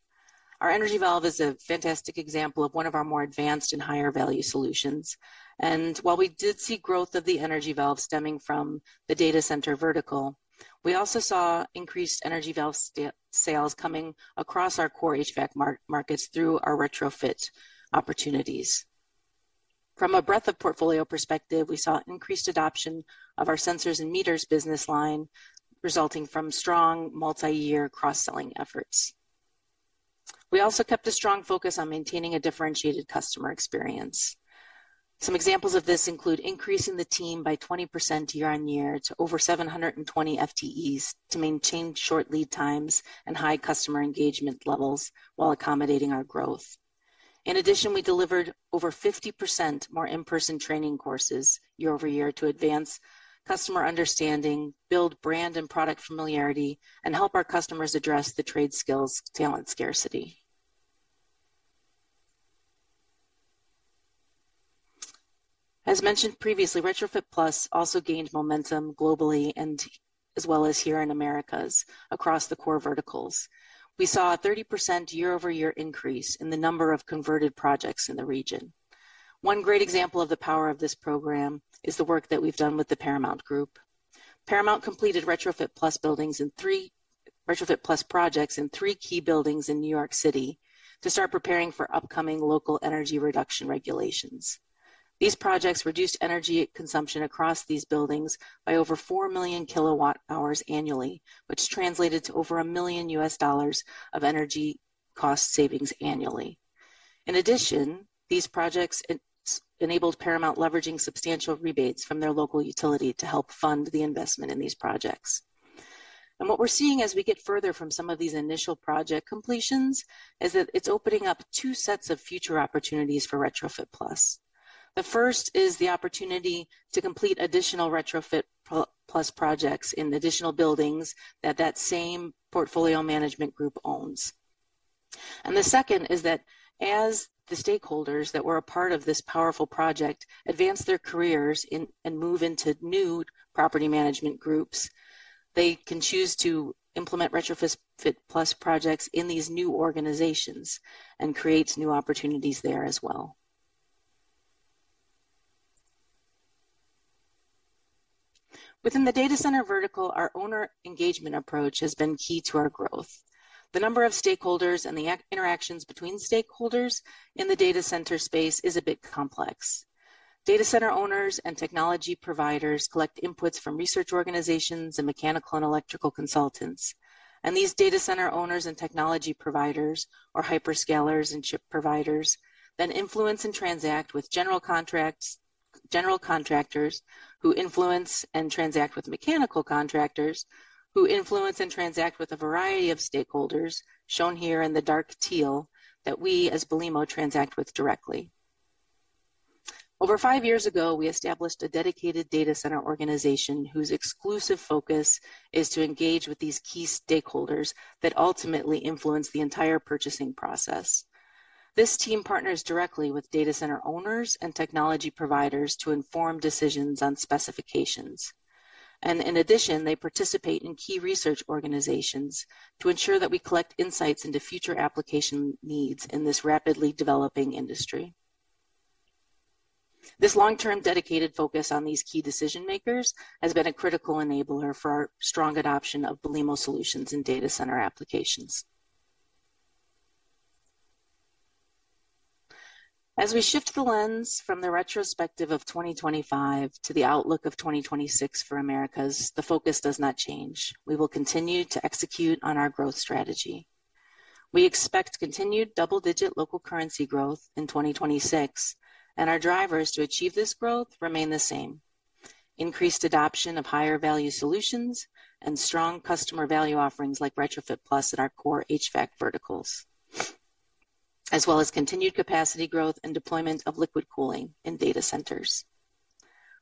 Our Energy Valve is a fantastic example of one of our more advanced and higher value solutions. While we did see growth of the Energy Valve stemming from the data center vertical, we also saw increased Energy Valve sales coming across our core HVAC markets through our retrofit opportunities. From a breadth of portfolio perspective, we saw increased adoption of our Sensors and Meters business line, resulting from strong multi-year cross-selling efforts. We also kept a strong focus on maintaining a differentiated customer experience. Some examples of this include increasing the team by 20% year-on-year to over 720 FTEs, to maintain short lead times and high customer engagement levels while accommodating our growth. In addition, we delivered over 50% more in-person training courses year-over-year, to advance customer understanding, build brand and product familiarity, and help our customers address the trade skills talent scarcity. As mentioned previously, RetroFIT+ also gained momentum globally and as well as here in Americas across the core verticals. We saw a 30% year-over-year increase in the number of converted projects in the region. One great example of the power of this program is the work that we've done with the Paramount Group. Paramount completed RetroFIT+ projects in three key buildings in New York City to start preparing for upcoming local energy reduction regulations. These projects reduced energy consumption across these buildings by over 4 million kilowatt hours annually, which translated to over $1 million of energy cost savings annually. In addition, these projects enabled Paramount Group leveraging substantial rebates from their local utility to help fund the investment in these projects. What we're seeing as we get further from some of these initial project completions, is that it's opening up two sets of future opportunities for RetroFIT+. The first is the opportunity to complete additional RetroFIT+ projects in additional buildings that that same portfolio management group owns. The second is that as the stakeholders that were a part of this powerful project advance their careers in, and move into new property management groups, they can choose to implement RetroFIT+ projects in these new organizations and create new opportunities there as well. Within the data center vertical, our owner engagement approach has been key to our growth. The number of stakeholders and the interactions between stakeholders in the data center space is a bit complex. Data center owners and technology providers collect inputs from research organizations and mechanical and electrical consultants. These data center owners and technology providers, or hyperscalers and chip providers, then influence and transact with general contractors, who influence and transact with mechanical contractors, who influence and transact with a variety of stakeholders, shown here in the dark teal, that we, as Belimo, transact with directly. Over five years ago, we established a dedicated data center organization, whose exclusive focus is to engage with these key stakeholders that ultimately influence the entire purchasing process. This team partners directly with data center owners and technology providers to inform decisions on specifications. In addition, they participate in key research organizations to ensure that we collect insights into future application needs in this rapidly developing industry. This long-term, dedicated focus on these key decision makers has been a critical enabler for our strong adoption of Belimo solutions in data center applications. As we shift the lens from the retrospective of 2025 to the outlook of 2026 for Americas, the focus does not change. We will continue to execute on our growth strategy. We expect continued double-digit local currency growth in 2026, and our drivers to achieve this growth remain the same: increased adoption of higher value solutions and strong customer value offerings like RetroFIT+ in our core HVAC verticals, as well as continued capacity growth and deployment of liquid cooling in data centers.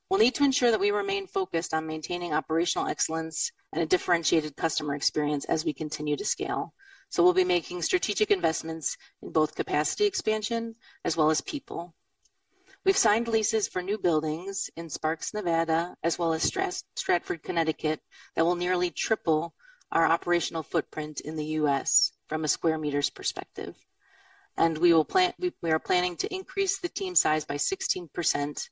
We'll need to ensure that we remain focused on maintaining operational excellence and a differentiated customer experience as we continue to scale, so we'll be making strategic investments in both capacity expansion as well as people. We've signed leases for new buildings in Sparks, Nevada, as well as Stratford, Connecticut, that will nearly triple our operational footprint in the U.S. from a square meters perspective. We are planning to increase the team size by 16%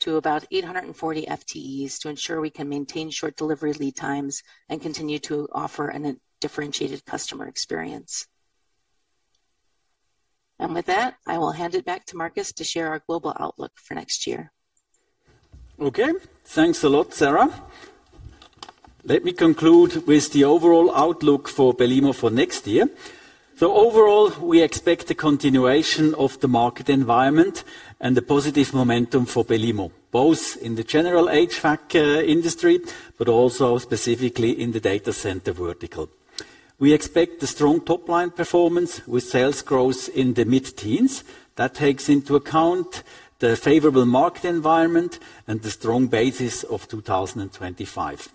to about 840 FTEs, to ensure we can maintain short delivery lead times and continue to offer a differentiated customer experience. With that, I will hand it back to Markus to share our global outlook for next year. Okay. Thanks a lot, Sharon. Overall, we expect a continuation of the market environment and the positive momentum for Belimo, both in the general HVAC industry, but also specifically in the data center vertical. We expect a strong top-line performance with sales growth in the mid-teens. That takes into account the favorable market environment and the strong basis of 2025.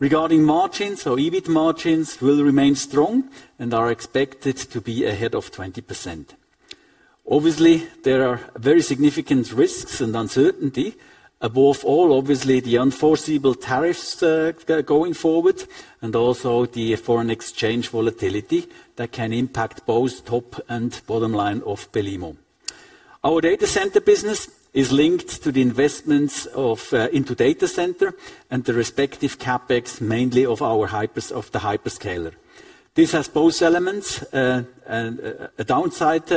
Regarding margins, EBIT margins will remain strong and are expected to be ahead of 20%. Obviously, there are very significant risks and uncertainty, above all, obviously, the unforeseeable tariffs going forward, and also the foreign exchange volatility that can impact both top and bottom line of Belimo. Our data center business is linked to the investments into data center and the respective CapEx, mainly of our hypers... of the hyperscaler. This has both elements, and a downside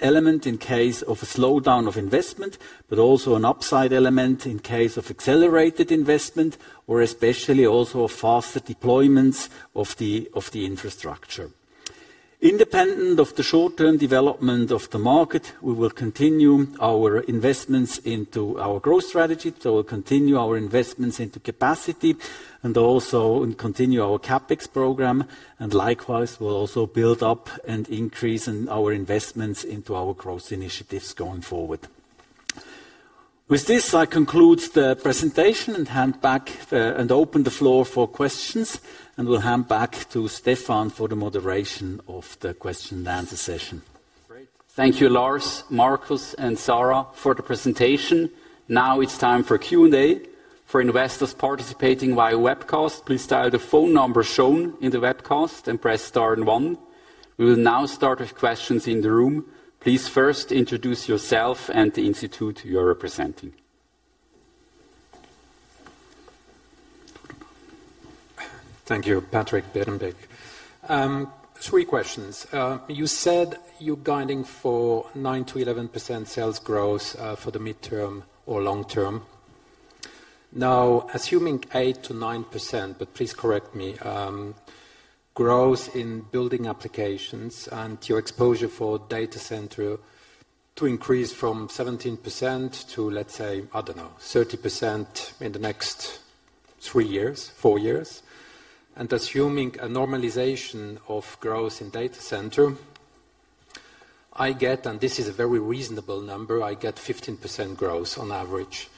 element in case of a slowdown of investment, but also an upside element in case of accelerated investment, or especially also faster deployments of the infrastructure. Independent of the short-term development of the market, we will continue our investments into our growth strategy. We'll continue our investments into capacity and also, and continue our CapEx program, and likewise, we'll also build up and increase in our investments into our growth initiatives going forward. With this, I conclude the presentation and hand back, and open the floor for questions, and will hand back to Stephan for the moderation of the question and answer session. Great. Thank you, Lars, Markus, and Sara, for the presentation. Now it's time for Q&A. For investors participating via webcast, please dial the phone number shown in the webcast and press star and one. We will now start with questions in the room. Please first introduce yourself and the institute you are representing. Thank you. Patrick Bütler. Three questions. You said you're guiding for 9%-11% sales growth for the midterm or long term. Now, assuming 8%-9%, but please correct me, growth in building applications and your exposure for data center to increase from 17% to, let's say, I don't know, 30% in the next 3 years, 4 years, and assuming a normalization of growth in data center. I get, and this is a very reasonable number, I get 15% growth on average,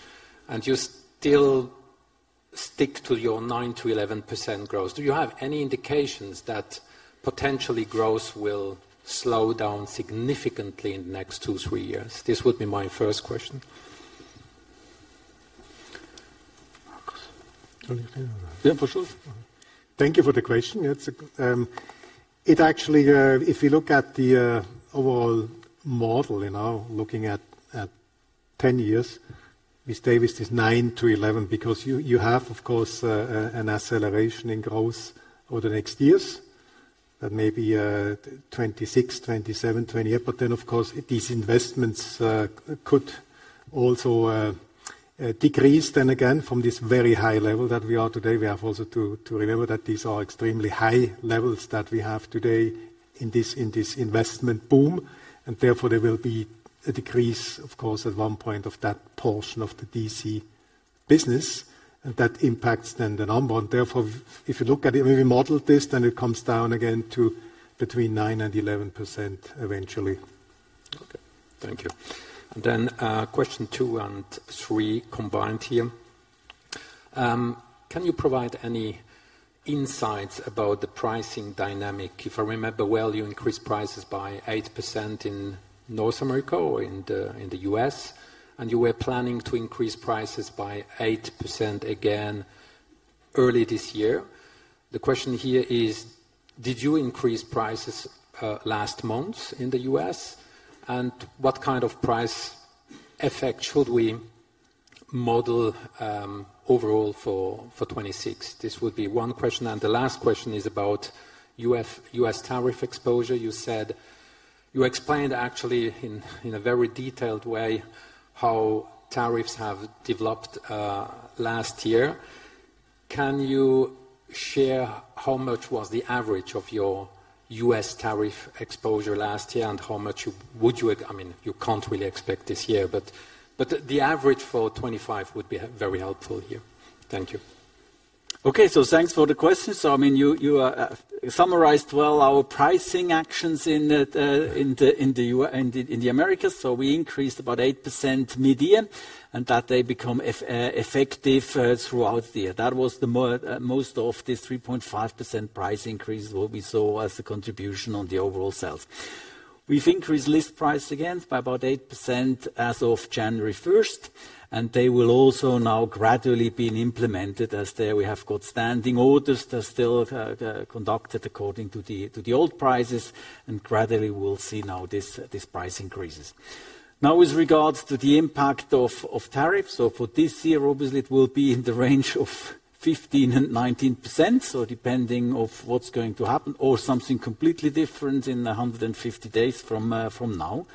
and you still stick to your 9%-11% growth. Do you have any indications that potentially growth will slow down significantly in the next 2, 3 years? This would be my first question. Markus? Yeah, for sure. Thank you for the question. It's actually, if you look at the overall model, you know, looking at 10 years, this data is just 9-11, because you, you have, of course, an acceleration in growth over the next years, that may be 26, 27, 28. Then, of course, these investments could also decrease then again, from this very high level that we are today. We have also to remember that these are extremely high levels that we have today in this, in this investment boom, and therefore, there will be a decrease, of course, at one point of that portion of the DC business, and that impacts then the number. Therefore, if you look at it, we remodeled this, then it comes down again to between 9% and 11% eventually. Okay, thank you. Question 2 and 3 combined here. Can you provide any insights about the pricing dynamic? If I remember well, you increased prices by 8% in North America or in the US, and you were planning to increase prices by 8% again early this year. The question here is: Did you increase prices last month in the US? What kind of price effect should we model overall for 2026? This would be 1 question, and the last question is about US tariff exposure. You explained, actually, in a very detailed way, how tariffs have developed last year. Can you share how much was the average of your US tariff exposure last year, and how much would you... I mean, you can't really expect this year, but the average for 25 would be very helpful here. Thank you. Thanks for the question. I mean, you, you summarized well our pricing actions in the Americas. We increased about 8% median, and that they become effective throughout the year. That was the most of this 3.5% price increase, what we saw as a contribution on the overall sales. We've increased list price again by about 8% as of January 1st, and they will also now gradually being implemented as there we have got standing orders that are still conducted according to the old prices, and gradually we'll see now this, these price increases. with regards to the impact of, of tariffs, so for this year, obviously, it will be in the range of 15% and 19%, so depending on what's going to happen or something completely different in 150 days from now.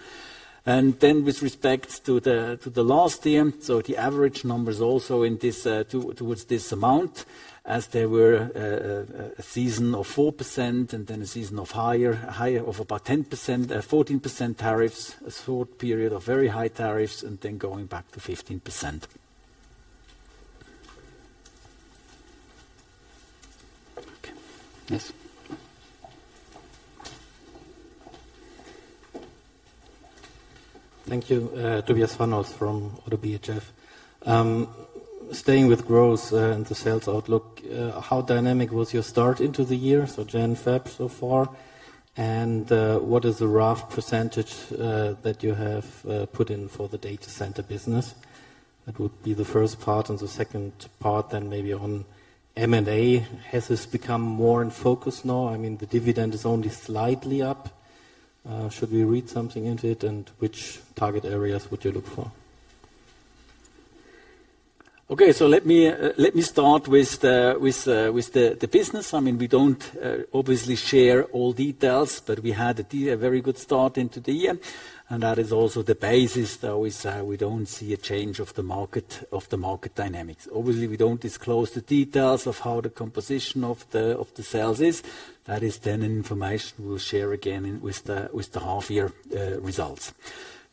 with respect to the, to the last year, so the average number is also in this, towards this amount, as there were a, a, a season of 4% and then a season of higher, higher of about 10%, 14% tariffs, a short period of very high tariffs, and then going back to 15%. Okay. Yes. Thank you. Tobias Vonnier from ODDO BHF. Staying with growth, and the sales outlook, how dynamic was your start into the year, so January, February so far? What is the rough % that you have put in for the data center business? That would be the first part, and the second part, then maybe on M&A. Has this become more in focus now? I mean, the dividend is only slightly up. Should we read something into it, and which target areas would you look for? Okay, let me, let me start with the, with the, the business. I mean, we don't, obviously share all details, but we had a very good start into the year, and that is also the basis, though is, we don't see a change of the market, of the market dynamics. Obviously, we don't disclose the details of how the composition of the, of the sales is. That is then information we'll share again in, with the, with the half year, results.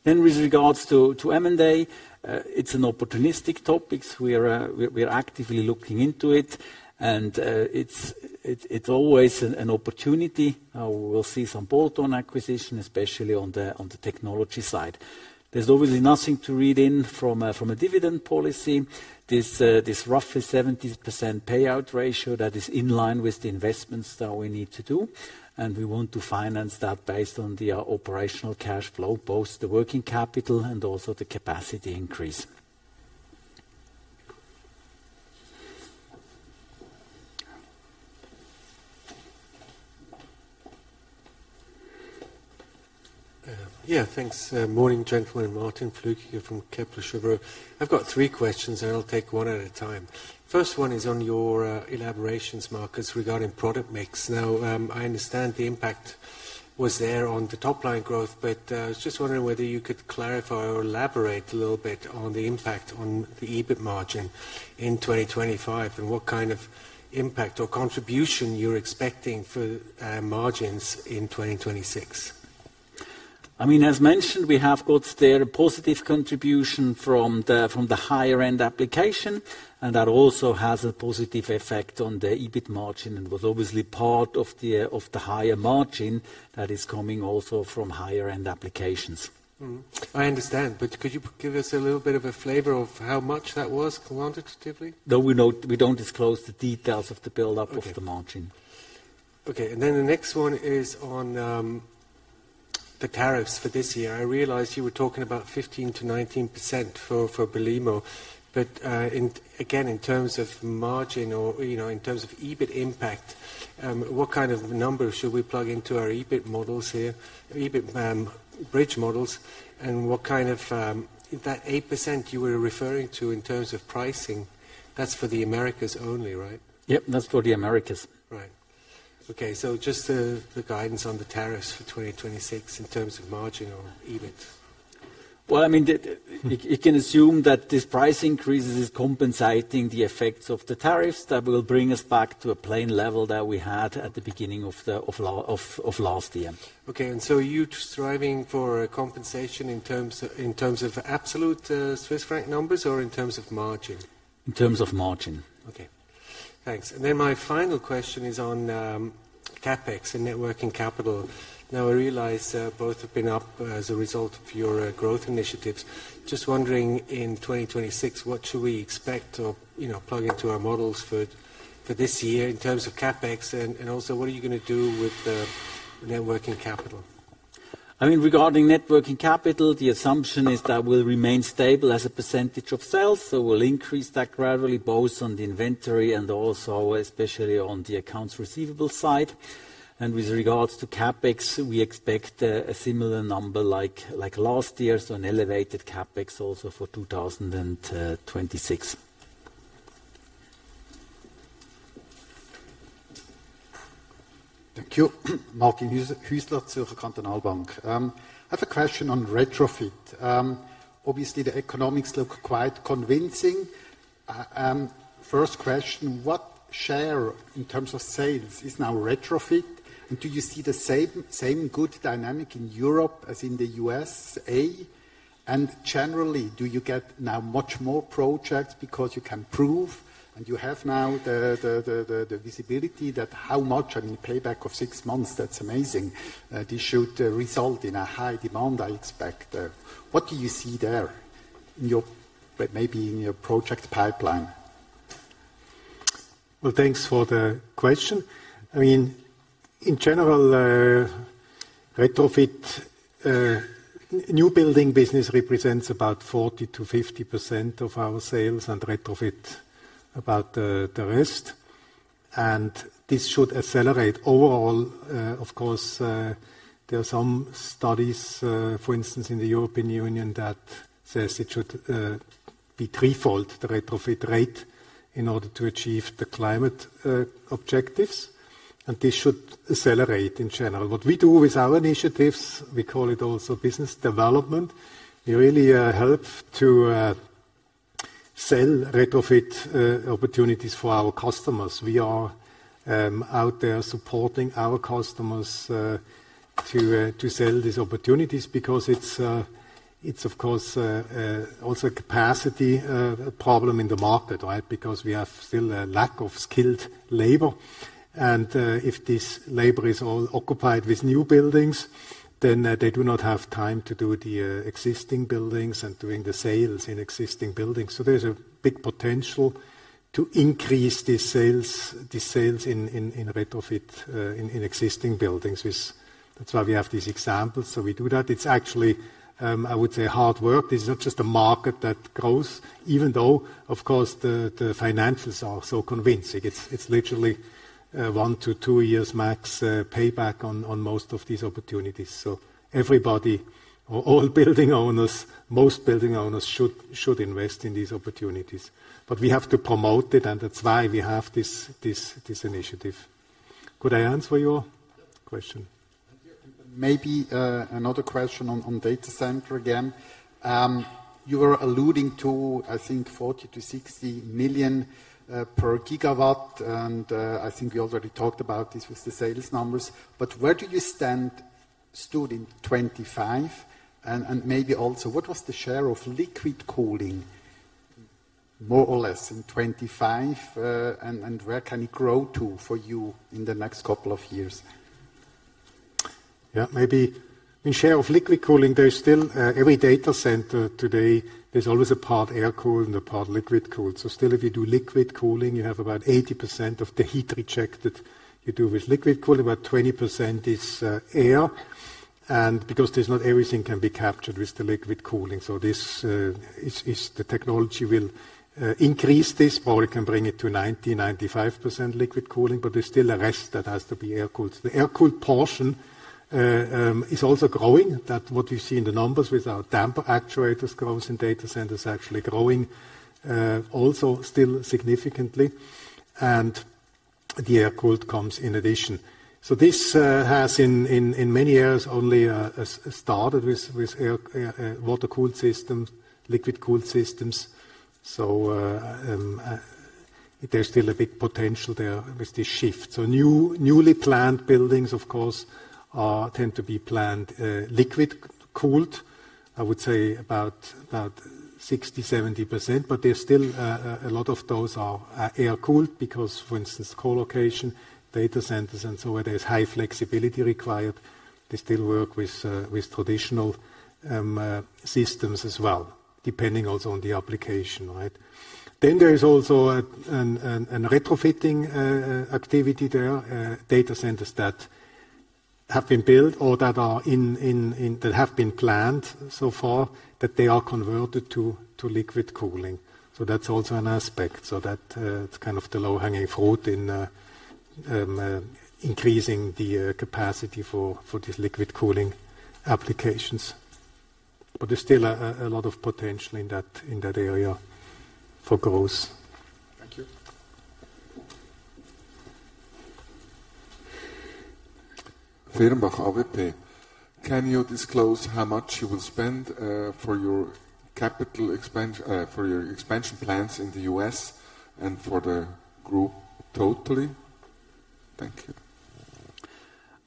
With regards to, to M&A, it's an opportunistic topic. We are, we are actively looking into it, and, it's, it, it's always an, an opportunity. We will see some bolt-on acquisition, especially on the, on the technology side. There's obviously nothing to read in from a, from a dividend policy. This roughly 70% payout ratio that is in line with the investments that we need to do, and we want to finance that based on the operational cash flow, both the working capital and also the capacity increase. Yeah, thanks. Morning, gentlemen. Martin Flueckiger from Kepler Cheuvreux. I've got three questions, and I'll take one at a time. First one is on your elaborations, Markus, regarding product mix. Now, I understand the impact was there on the top line growth, but I was just wondering whether you could clarify or elaborate a little bit on the impact on the EBIT margin in 2025 and what kind of impact or contribution you're expecting for margins in 2026? I mean, as mentioned, we have got there a positive contribution from the, from the higher-end application, and that also has a positive effect on the EBIT margin, and was obviously part of the, of the higher margin that is coming also from higher-end applications. Mm-hmm. I understand, but could you give us a little bit of a flavor of how much that was quantitatively? No, we don't, we don't disclose the details of the buildup- Okay. of the margin. Okay, then the next one is on, the tariffs for this year. I realize you were talking about 15%-19% for, for Belimo, but, again, in terms of margin or, you know, in terms of EBIT impact, what kind of numbers should we plug into our EBIT models here, EBIT, bridge models? What kind of... That 8% you were referring to in terms of pricing, that's for the Americas only, right? Yep, that's for the Americas. Right. Okay, just the, the guidance on the tariffs for 2026 in terms of margin or EBIT. Well, I mean, you can assume that this price increase is compensating the effects of the tariffs. That will bring us back to a plain level that we had at the beginning of last year. Okay, so you're striving for a compensation in terms, in terms of absolute, Swiss franc numbers, or in terms of margin? In terms of margin. Okay, thanks. My final question is on CapEx and net working capital. Now, I realize both have been up as a result of your growth initiatives. Just wondering, in 2026, what should we expect or, you know, plug into our models for this year in terms of CapEx, and also, what are you going to do with the net working capital? I mean, regarding net working capital, the assumption is that will remain stable as a percentage of sales. We'll increase that gradually, both on the inventory and also especially on the accounts receivable side. With regards to CapEx, we expect a similar number like last year, so an elevated CapEx also for 2026. Thank you. Martin Hüsler, Zürcher Kantonalbank. I have a question on RetroFIT+. Obviously, the economics look quite convincing. First question, what share in terms of sales is now RetroFIT+? Do you see the same, same good dynamic in Europe as in the USA? Generally, do you get now much more projects because you can prove and you have now the, the, the, the, the visibility that how much, I mean, payback of 6 months, that's amazing, this should result in a high demand, I expect. What do you see there in your, maybe in your project pipeline? Well, thanks for the question. I mean, in general, retrofit, new building business represents about 40%-50% of our sales, and retrofit about the rest, and this should accelerate overall. Of course, there are some studies, for instance, in the European Union, that says it should be threefold, the retrofit rate, in order to achieve the climate objectives, and this should accelerate in general. What we do with our initiatives, we call it also business development. We really help to sell retrofit opportunities for our customers. We are out there supporting our customers to sell these opportunities because it's, it's of course, also a capacity problem in the market, right? Because we have still a lack of skilled labor, and if this labor is all occupied with new buildings, then they do not have time to do the existing buildings and doing the sales in existing buildings. There's a big potential to increase the sales, the sales in, in, in retrofit, in, in existing buildings. That's why we have these examples. We do that. It's actually, I would say, hard work. This is not just a market that grows, even though, of course, the financials are so convincing. It's literally, 1-2 years max, payback on, on most of these opportunities. Everybody, or all building owners, most building owners should invest in these opportunities. We have to promote it, and that's why we have this initiative. Could I answer your question? Maybe, another question on data center again. You were alluding to, I think, 40 million-60 million per gigawatt, and I think we already talked about this with the sales numbers. Where do you stand- stood in 2025? And maybe also, what was the share of liquid cooling, more or less in 2025, and where can it grow to for you in the next couple of years? Yeah, maybe in share of liquid cooling, there is still. Every data center today, there's always a part air-cooled and a part liquid-cooled. Still, if you do liquid cooling, you have about 80% of the heat reject that you do with liquid cooling. About 20% is air, and because there's not everything can be captured with the liquid cooling. This is the technology will increase this, or it can bring it to 90-95% liquid cooling, but there's still a rest that has to be air-cooled. The air-cooled portion is also growing. That what you see in the numbers with our Damper Actuators grows, and data centers actually growing also still significantly, and the air-cooled comes in addition. This has in, in, in many years only started with air, water-cooled systems, liquid-cooled systems. There's still a big potential there with the shift. New, newly planned buildings, of course, tend to be planned liquid cooled. I would say about 60-70%, but there's still a lot of those are air-cooled, because, for instance, co-location, data centers, and so where there's high flexibility required, they still work with traditional systems as well, depending also on the application, right? There is also a retrofitting activity there. Data centers that have been built or that are in that have been planned so far, that they are converted to liquid cooling. That's also an aspect. That is kind of the low-hanging fruit in increasing the capacity for these liquid cooling applications. There's still a lot of potential in that area for growth. Thank you. Firmenich AWP. Can you disclose how much you will spend for your capital expand for your expansion plans in the US and for the group totally? Thank you.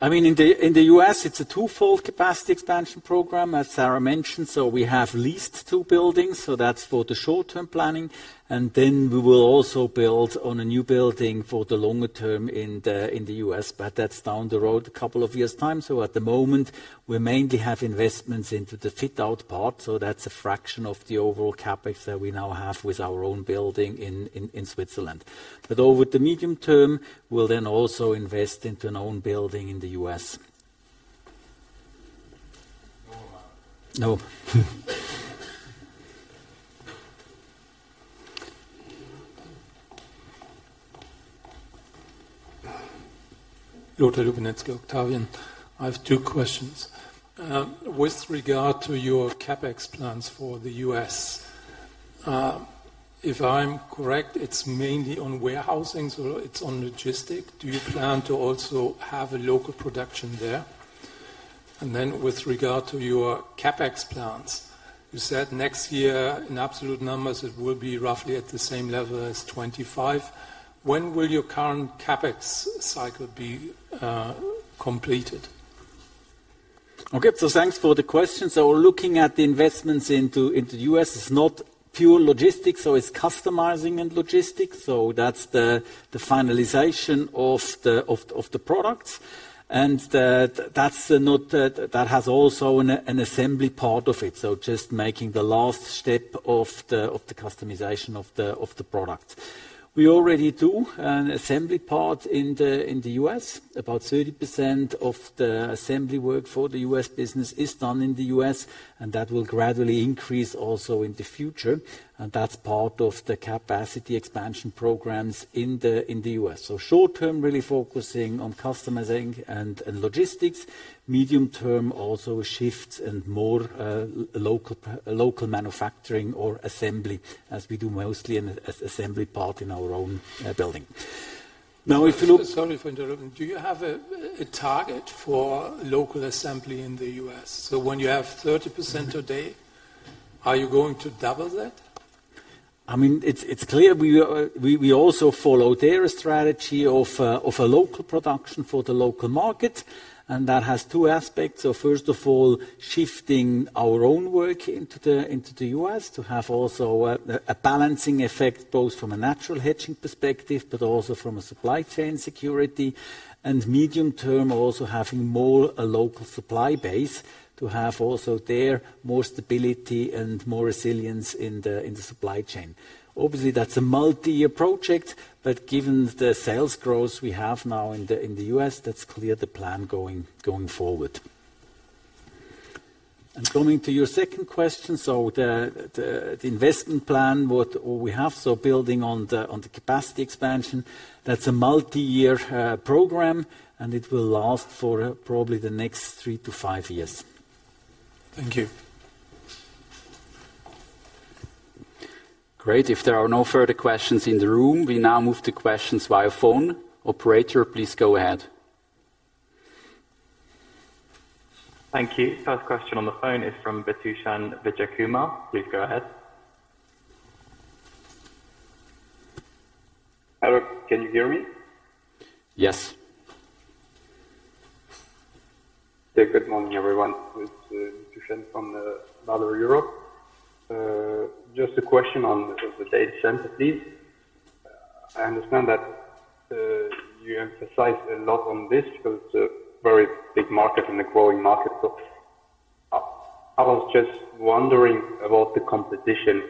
I mean, in the US, it's a twofold capacity expansion program, as Sharon mentioned. We have leased 2 buildings, so that's for the short-term planning, and then we will also build on a new building for the longer term in the US. That's down the road, a couple of years' time. At the moment, we mainly have investments into the fit-out part, so that's a fraction of the overall CapEx that we now have with our own building in Switzerland. Over the medium term, we'll then also invest into an own building in the US. No problem. No. Joëlle Luvénet, Octavian. I have two questions. With regard to your CapEx plans for the U.S., if I'm correct, it's mainly on warehousing, so it's on logistic. Do you plan to also have a local production there? With regard to your CapEx plans, you said next year, in absolute numbers, it will be roughly at the same level as 2025. When will your current CapEx cycle be completed? Okay, thanks for the question. Looking at the investments into, into the U.S., is not pure logistics, so it's customizing and logistics. That's the finalization of the products. That's not, that has also an assembly part of it. Just making the last step of the customization of the product. We already do an assembly part in the U.S. About 30% of the assembly work for the U.S. business is done in the U.S., and that will gradually increase also in the future, and that's part of the capacity expansion programs in the U.S. Short term, really focusing on customizing and logistics. Medium term, also shifts and more local manufacturing or assembly, as we do mostly an assembly part in our own building. Now, if you look- Sorry for interrupting. Do you have a target for local assembly in the U.S.? When you have 30% today, are you going to double that? I mean, it's, it's clear we are, we, we also follow their strategy of, of a local production for the local market, and that has two aspects. First of all, shifting our own work into the, into the US, to have also a, a balancing effect, both from a natural hedging perspective, but also from a supply chain security. Medium term, also having more a local supply base, to have also there, more stability and more resilience in the, in the supply chain. Obviously, that's a multi-year project, but given the sales growth we have now in the, in the US, that's clear the plan going, going forward. Coming to your second question, so the, the, the investment plan, what we have, so building on the, on the capacity expansion, that's a multi-year program, and it will last for probably the next three to five years. Thank you. Great. If there are no further questions in the room, we now move to questions via phone. Operator, please go ahead. Thank you. First question on the phone is from Vithushan Vijayakumar. Please go ahead. Hello, can you hear me? Yes. Yeah, good morning, everyone. It's Vitushan from Baader Europe. Just a question on the data center, please. I understand that you emphasize a lot on this, because it's a very big market and a growing market. I, I was just wondering about the competition,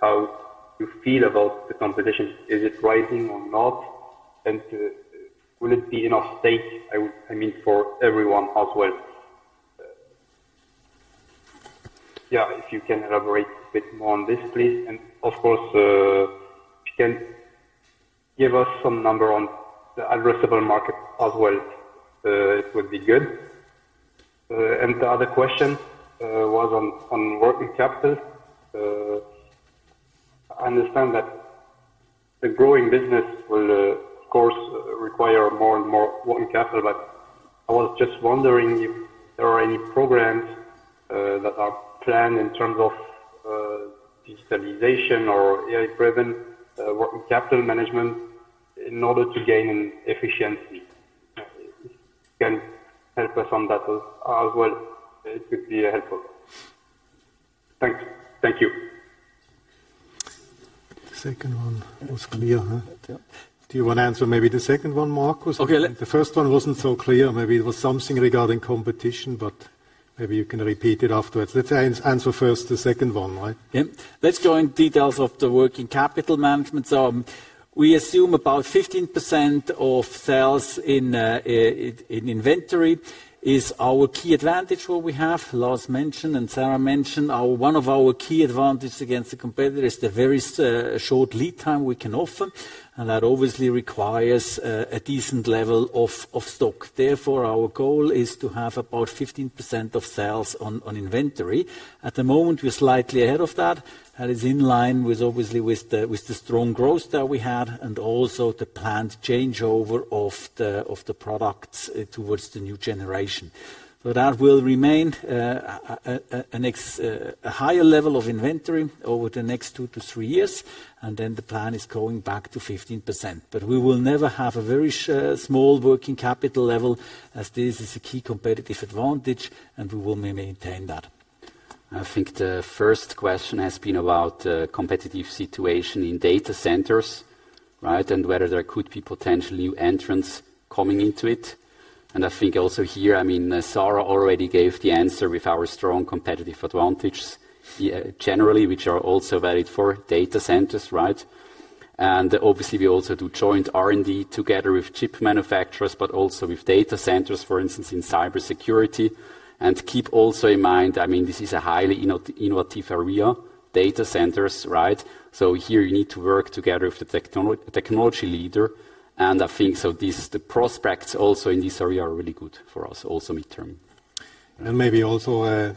how you feel about the competition. Is it rising or not? Will it be enough stake, I mean, for everyone as well? Yeah, if you can elaborate a bit more on this, please. Of course, if you can give us some number on the addressable market as well, it would be good. The other question was on working capital. I understand that a growing business will, of course, require more and more working capital, but I was just wondering if there are any programs. that are planned in terms of digitalization or AI-driven working capital management in order to gain efficiency? If you can help us on that as well, it would be helpful. Thank you. The second one was clear, huh? Yeah. Do you want to answer maybe the second one, Markus? Okay. The first one wasn't so clear. Maybe it was something regarding competition, but maybe you can repeat it afterwards. Let's answer first the second one, right? Yep. Let's go in details of the working capital management. We assume about 15% of sales in inventory is our key advantage, what we have. Lars mentioned and Sara mentioned, our one of our key advantage against the competitor is the very short lead time we can offer, and that obviously requires a decent level of stock. Our goal is to have about 15% of sales on inventory. At the moment, we're slightly ahead of that. That is in line with, obviously, with the strong growth that we had and also the planned changeover of the products towards the new generation. That will remain a higher level of inventory over the next 2-3 years, and then the plan is going back to 15%. We will never have a very small working capital level, as this is a key competitive advantage, and we will maintain that. I think the first question has been about competitive situation in data centers, right. Whether there could be potential new entrants coming into it. I think also here, I mean Sharon already gave the answer with our strong competitive advantage generally, which are also valid for data centers, right. Obviously, we also do joint R&D together with chip manufacturers, but also with data centers, for instance, in cybersecurity. Keep also in mind, I mean, this is a highly innovative area, data centers, right. Here you need to work together with the technology leader. I think, so this, the prospects also in this area are really good for us, also midterm. Maybe also,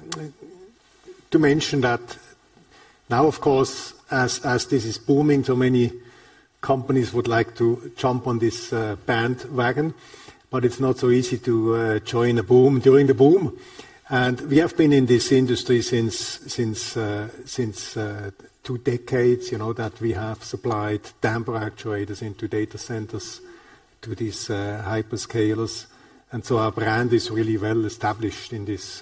to mention that now, of course, as this is booming, many companies would like to jump on this bandwagon, but it's not so easy to join a boom during the boom. We have been in this industry since two decades, you know, that we have supplied Damper Actuators into data centers, to these hyperscalers. Our brand is really well established in this,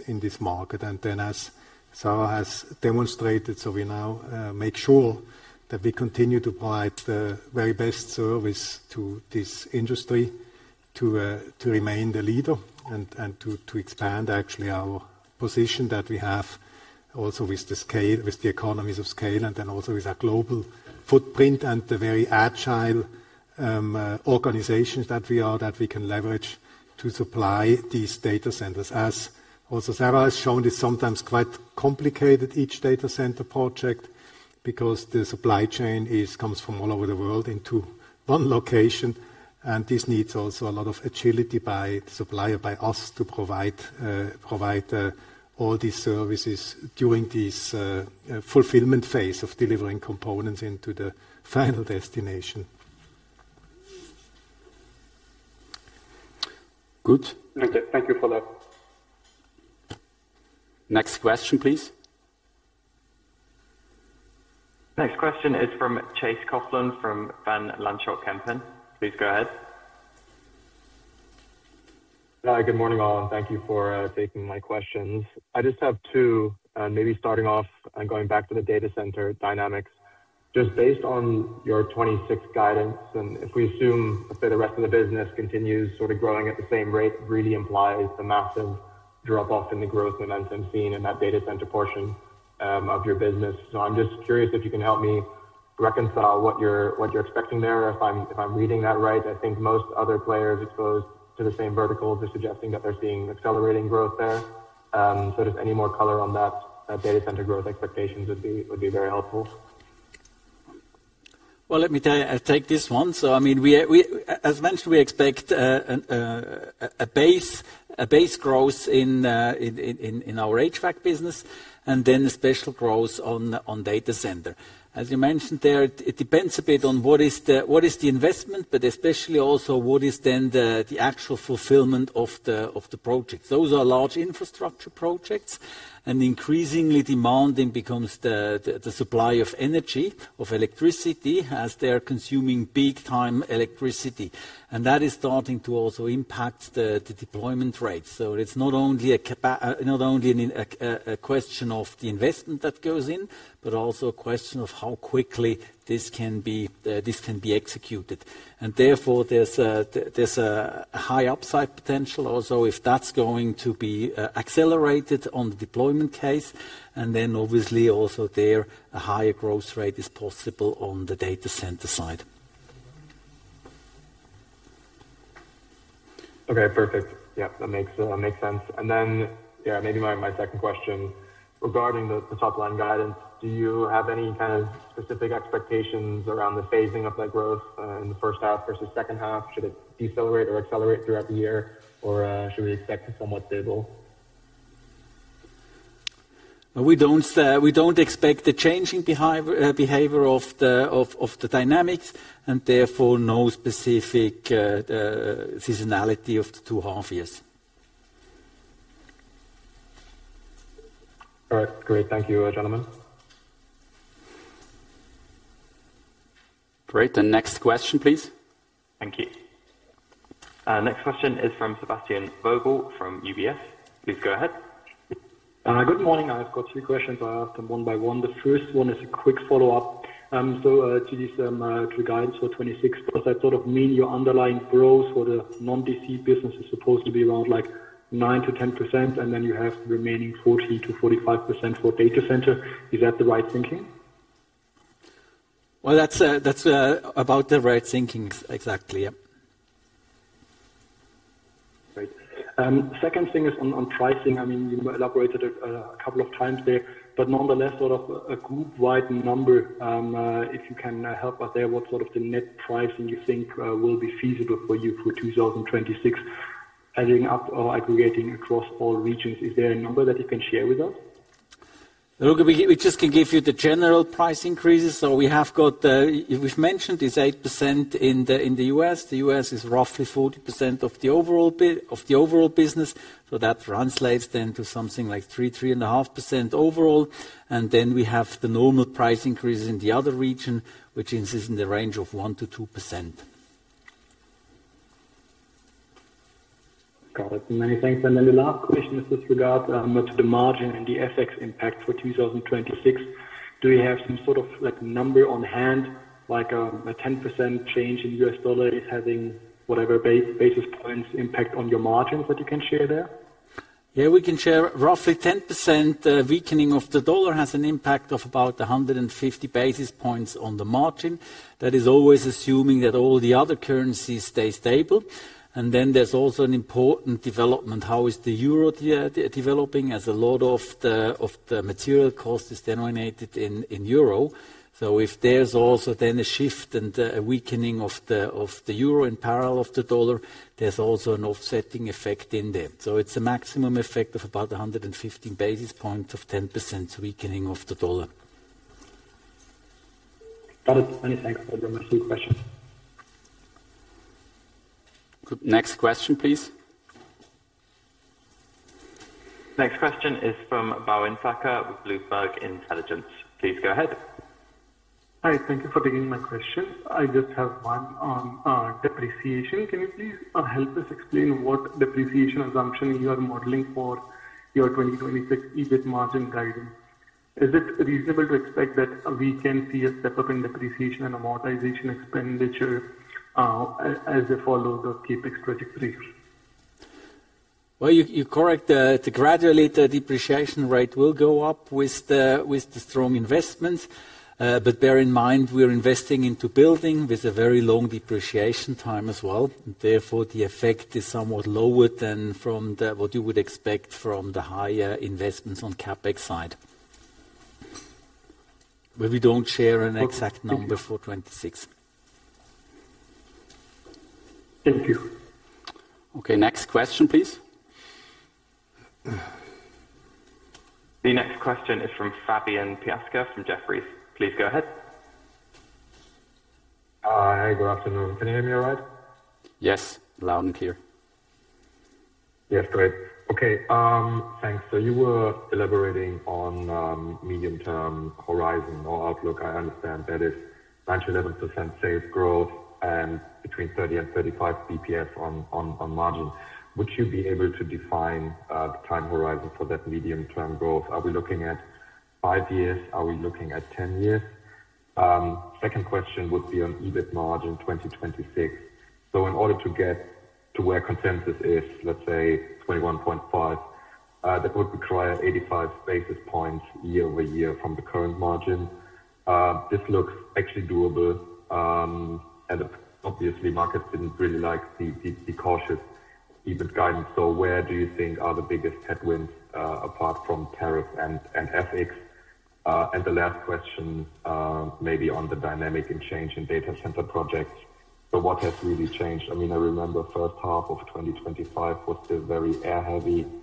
in this market. As Sharon has demonstrated, we now make sure that we continue to provide the very best service to this industry, to remain the leader and to expand actually our position that we have also with the scale, with the economies of scale, and then also with our global footprint and the very agile organization that we are, that we can leverage to supply these data centers. As also Sharon has shown, it's sometimes quite complicated, each data center project, because the supply chain comes from all over the world into one location, and this needs also a lot of agility by supplier, by us, to provide all these services during this fulfillment phase of delivering components into the final destination. Good. Okay. Thank you for that. Next question, please? Next question is from Chase Coughlin, from Van Lanschot Kempen. Please go ahead. Hi, good morning, all. Thank you for taking my questions. I just have two, maybe starting off, going back to the data center dynamics. Just based on your 26 guidance, if we assume that the rest of the business continues sort of growing at the same rate, really implies a massive drop off in the growth momentum seen in that data center portion of your business. I'm just curious if you can help me reconcile what you're, what you're expecting there. If I'm, if I'm reading that right, I think most other players exposed to the same verticals are suggesting that they're seeing accelerating growth there. Just any more color on that data center growth expectations would be very helpful. Well, let me tell you, I'll take this one. I mean, we are, as mentioned, we expect a base growth in our HVAC business and then a special growth on data center. As you mentioned there, it depends a bit on what is the, what is the investment, but especially also, what is then the actual fulfillment of the project. Those are large infrastructure projects, and increasingly demanding becomes the supply of energy, of electricity, as they are consuming big-time electricity. That is starting to also impact the deployment rate. It's not only a question of the investment that goes in, but also a question of how quickly this can be executed. Therefore, there's a, there's a high upside potential also, if that's going to be accelerated on the deployment case, and then obviously also there, a higher growth rate is possible on the data center side. Okay, perfect. Yep, that makes, that makes sense. Then, yeah, maybe my, my second question: regarding the, the top line guidance, do you have any kind of specific expectations around the phasing of that growth, in the first half versus second half? Should it decelerate or accelerate throughout the year, or, should we expect it somewhat stable? We don't, we don't expect a changing behavior of the, of, of the dynamics, and therefore, no specific, seasonality of the two half years. All right, great. Thank you, gentlemen. Great. The next question, please. Thank you. Next question is from Sebastian Vogel, from UBS. Please go ahead. Good morning. I've got 3 questions. I'll ask them one by one. The first one is a quick follow-up. To this guidance for 26, does that sort of mean your underlying growth for the non-DC business is supposed to be around, like, 9%-10%, and then you have the remaining 40%-45% for data center? Is that the right thinking? Well, that's, that's about the right thinking. Exactly, yep. Great. Second thing is on, on pricing. I mean, you elaborated a couple of times there, but nonetheless, sort of a group wide number. If you can help us there, what sort of the net pricing you think will be feasible for you for 2026, adding up or aggregating across all regions? Is there a number that you can share with us? Look, we, we just can give you the general price increases. We have got, we've mentioned is 8% in the, in the U.S. The U.S. is roughly 40% of the overall of the overall business, so that translates then to something like 3, 3.5% overall. We have the normal price increases in the other region, which is in the range of 1%-2%. Got it. Many thanks. The last question is with regard to the margin and the FX impact for 2026. Do you have some sort of, like, number on hand, like, a 10% change in U.S. dollar is having whatever basis points impact on your margins that you can share there? Yeah, we can share. Roughly 10% weakening of the dollar has an impact of about 150 basis points on the margin. That is always assuming that all the other currencies stay stable. Then there's also an important development. How is the euro developing? As a lot of the, of the material cost is denominated in, in euro. If there's also then a shift and a weakening of the euro and parallel of the dollar, there's also an offsetting effect in there. It's a maximum effect of about 150 basis points of 10% weakening of the dollar. Got it. Many thanks, everyone. My three questions. Good. Next question, please. Next question is from Boen Thacker, with Bloomberg Intelligence. Please go ahead. Hi, thank you for taking my question. I just have one on depreciation. Can you please help us explain what depreciation assumption you are modeling for your 2026 EBIT margin guidance? Is it reasonable to expect that we can see a step-up in depreciation and amortization expenditure, as it follows the CapEx project release? Well, you, you're correct. Gradually, the depreciation rate will go up with the, with the strong investments. Bear in mind, we're investing into building with a very long depreciation time as well. Therefore, the effect is somewhat lower than what you would expect from the higher investments on CapEx side. We don't share an exact number for 26. Thank you. Okay, next question, please. The next question is from Fabian Rias-Bremser from Jefferies. Please go ahead. Hi, good afternoon. Can you hear me all right? Yes, loud and clear. Yes, great. Okay, thanks. You were elaborating on medium-term horizon or outlook. I understand that is 9%-11% sales growth and between 30 and 35 BPS on margins. Would you be able to define the time horizon for that medium-term growth? Are we looking at 5-years? Are we looking at 10-years? Second question would be on EBIT margin 2026. In order to get to where consensus is, let's say 21.5, that would require 85 basis points year-over-year from the current margin. This looks actually doable, and obviously, markets didn't really like the cautious EBIT guidance. Where do you think are the biggest headwinds, apart from tariff and FX? The last question may be on the dynamic and change in data center projects. What has really changed? I mean, I remember first half of 2025 was still very air heavy. I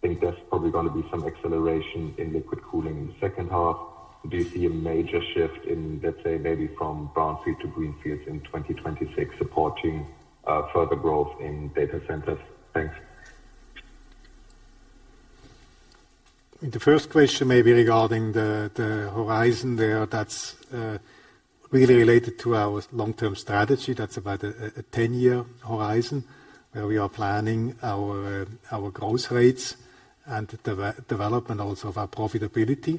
think there's probably gonna be some acceleration in liquid cooling in the second half. Do you see a major shift in, let's say, maybe from brownfield to greenfields in 2026, supporting further growth in data centers? Thanks. The first question may be regarding the horizon there. That's really related to our long-term strategy. That's about a 10-year horizon, where we are planning our growth rates and development also of our profitability.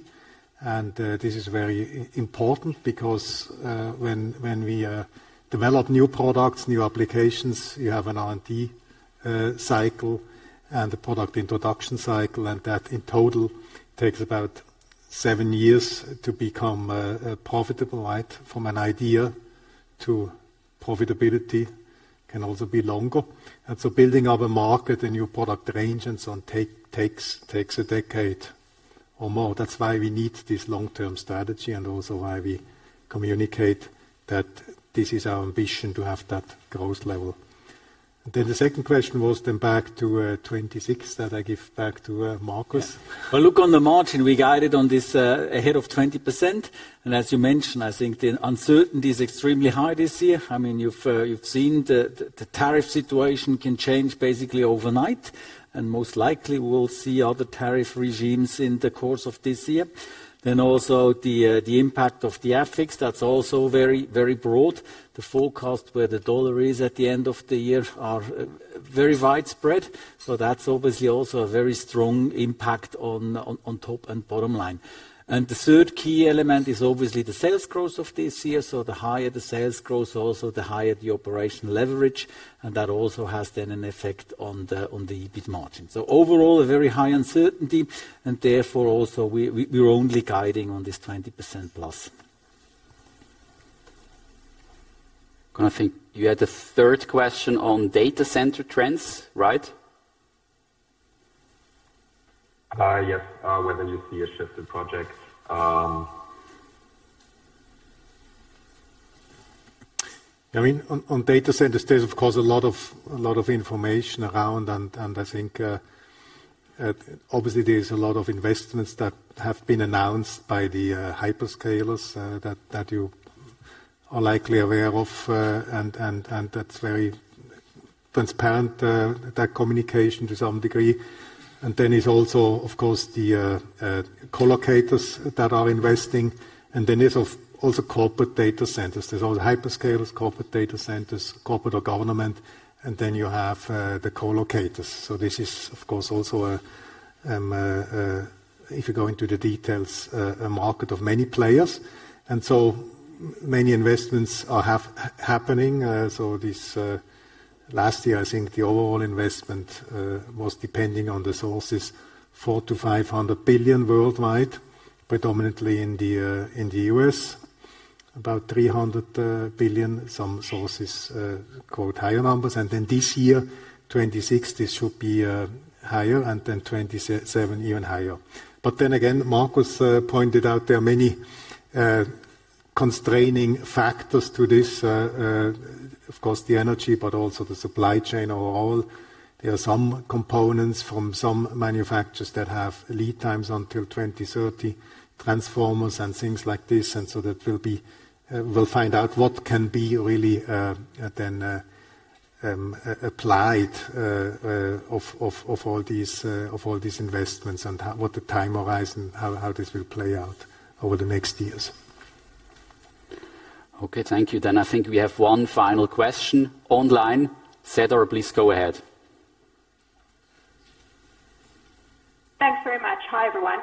This is very important because when we develop new products, new applications, you have an R&D cycle and a product introduction cycle, and that, in total, takes about 7-years to become profitable, right? From an idea to profitability can also be longer. Building up a market, a new product range and so on, takes a decade or more. That's why we need this long-term strategy and also why we communicate that this is our ambition to have that growth level. The second question was then back to 2026, that I give back to Markus. Well, look, on the margin, we guided on this ahead of 20%. As you mentioned, I think the uncertainty is extremely high this year. I mean, you've seen the tariff situation can change basically overnight, and most likely we will see other tariff regimes in the course of this year. Also the impact of the FX, that's also very, very broad. The forecast, where the dollar is at the end of the year, are very widespread. That's obviously also a very strong impact on, on, on top and bottom line. The third key element is obviously the sales growth of this year. The higher the sales growth, also the higher the operational leverage, and that also has then an effect on the EBIT margin. Overall, a very high uncertainty, therefore, also we're only guiding on this 20% plus. I think you had a third question on data center trends, right? Yes, whether you see a shift in projects? I mean, on, on data centers, there's, of course, a lot of, a lot of information around, and I think, obviously, there's a lot of investments that have been announced by the hyperscalers that, that you are likely aware of, and that's very transparent, that communication to some degree. Then it's also, of course, the collocators that are investing, and then there's also corporate data centers. There's all the hyperscalers, corporate data centers, corporate or government, then you have the collocators. This is, of course, also a, if you go into the details, a market of many players, so many investments are happening. This last year, I think the overall investment was depending on the sources, $400-$500 billion worldwide, predominantly in the U.S., about $300 billion. Some sources quote higher numbers, this year, 2026, this should be higher, and 2027, even higher. Again, Markus pointed out there are many constraining factors to this. Of course, the energy, also the supply chain overall. There are some components from some manufacturers that have lead times until 2030, transformers and things like this. That will be, we'll find out what can be really then applied of all these investments, and what the time horizon, how this will play out over the next years. Okay, thank you. I think we have one final question online. Sharon, please go ahead. Thanks very much. Hi, everyone.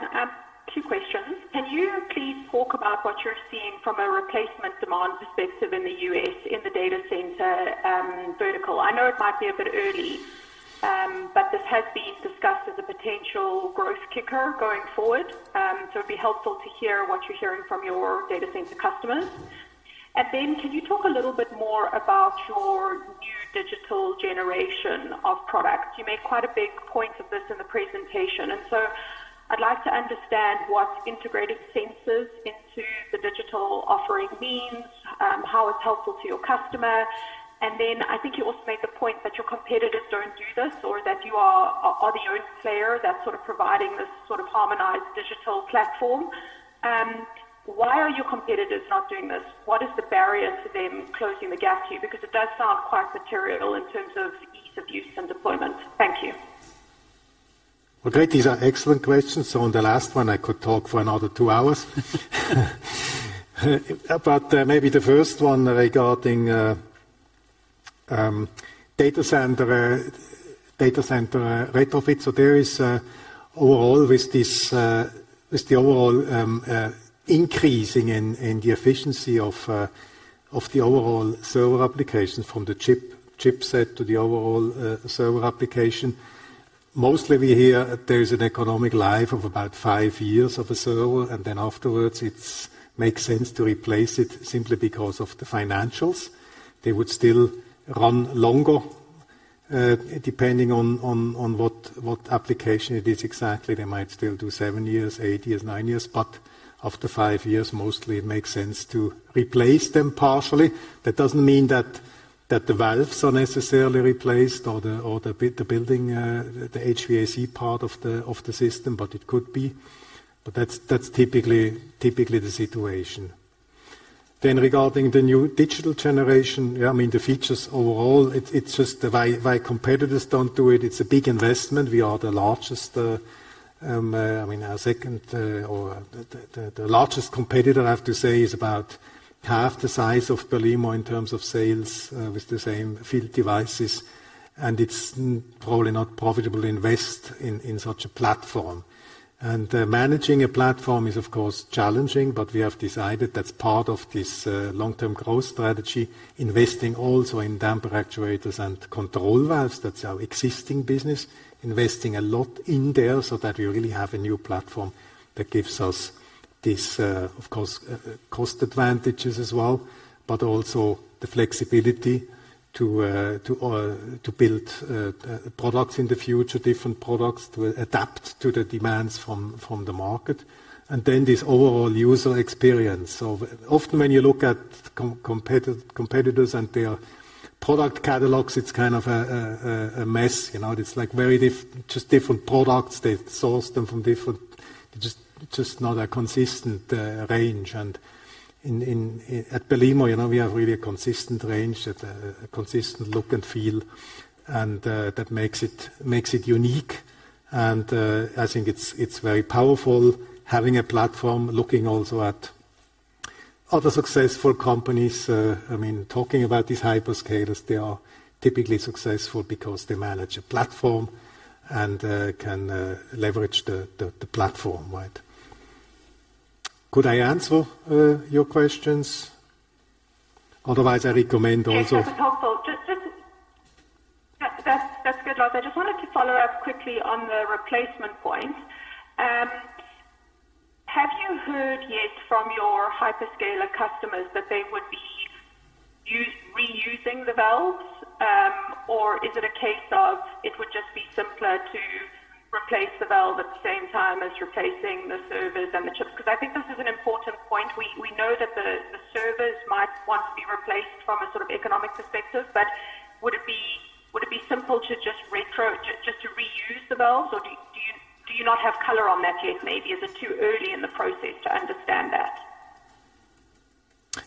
2 questions. Can you please talk about what you're seeing from a replacement demand perspective in the U.S. in the data center vertical? I know it might be a bit early, this has been discussed as a potential growth kicker going forward. It'd be helpful to hear what you're hearing from your data center customers. Then can you talk a little bit more about your New Digital Generation of products? You made quite a big point of this in the presentation, I'd like to understand what integrated sensors into the digital offering means, how it's helpful to your customer. Then I think you also made the point that your competitors don't do this or that you are the only player that's sort of providing this sort of harmonized digital platform. Why are your competitors not doing this? What is the barrier to them closing the gap to you? Because it does sound quite material in terms of ease of use and deployment. Thank you. Well, great! These are excellent questions. On the last one, I could talk for another 2 hours. Maybe the first one regarding data center retrofits. There is overall, with this, with the overall increasing in the efficiency of the overall server applications, from the chip, chipset to the overall server application. Mostly, we hear there is an economic life of about 5 years of a server, and then afterwards, it's makes sense to replace it simply because of the financials. They would still run longer, depending on, on, on what, what application it is exactly. They might still do 7-years, 8-years, 9-years, but after 5-years, mostly it makes sense to replace them partially. That doesn't mean that, that the valves are necessarily replaced or the, or the building, the HVAC part of the system, but it could be. That's, that's typically, typically the situation. Regarding the New Digital Generation, yeah, I mean, the features overall, it's just the why, why competitors don't do it. It's a big investment. We are the largest, I mean, our second, or the largest competitor, I have to say, is about half the size of Belimo in terms of sales, with the same field devices, and it's probably not profitable to invest in, in such a platform. Managing a platform is, of course, challenging, but we have decided that's part of this long-term growth strategy, investing also in Damper Actuators and Control Valves. That's our existing business, investing a lot in there so that we really have a new platform that gives us this, of course, cost advantages as well, but also the flexibility to, to, to build products in the future, different products, to adapt to the demands from, from the market, and then this overall user experience. Often when you look at competitors and their product catalogs, it's kind of a, mess, you know. It's like very just different products. They source them from different. Just not a consistent range. In, in, at Belimo, you know, we have really a consistent range, that, a consistent look and feel, and that makes it, makes it unique. I think it's, it's very powerful having a platform, looking also at other successful companies. I mean, talking about these hyperscalers, they are typically successful because they manage a platform and can leverage the platform. Right? Could I answer your questions? Otherwise, I recommend. Yes, that was helpful. That, that's, that's good, Lars. I just wanted to follow up quickly on the replacement point. Have you heard yet from your hyperscaler customers that they would be reusing the valves, or is it a case of it would just be simpler to replace the valve at the same time as replacing the servers and the chips? 'Cause I think this is an important point. We, we know that the, the servers might want to be replaced from a sort of economic perspective, but would it be, would it be simple to just reuse the valves, or do you, do you, do you not have color on that yet, maybe? Is it too early in the process to understand that?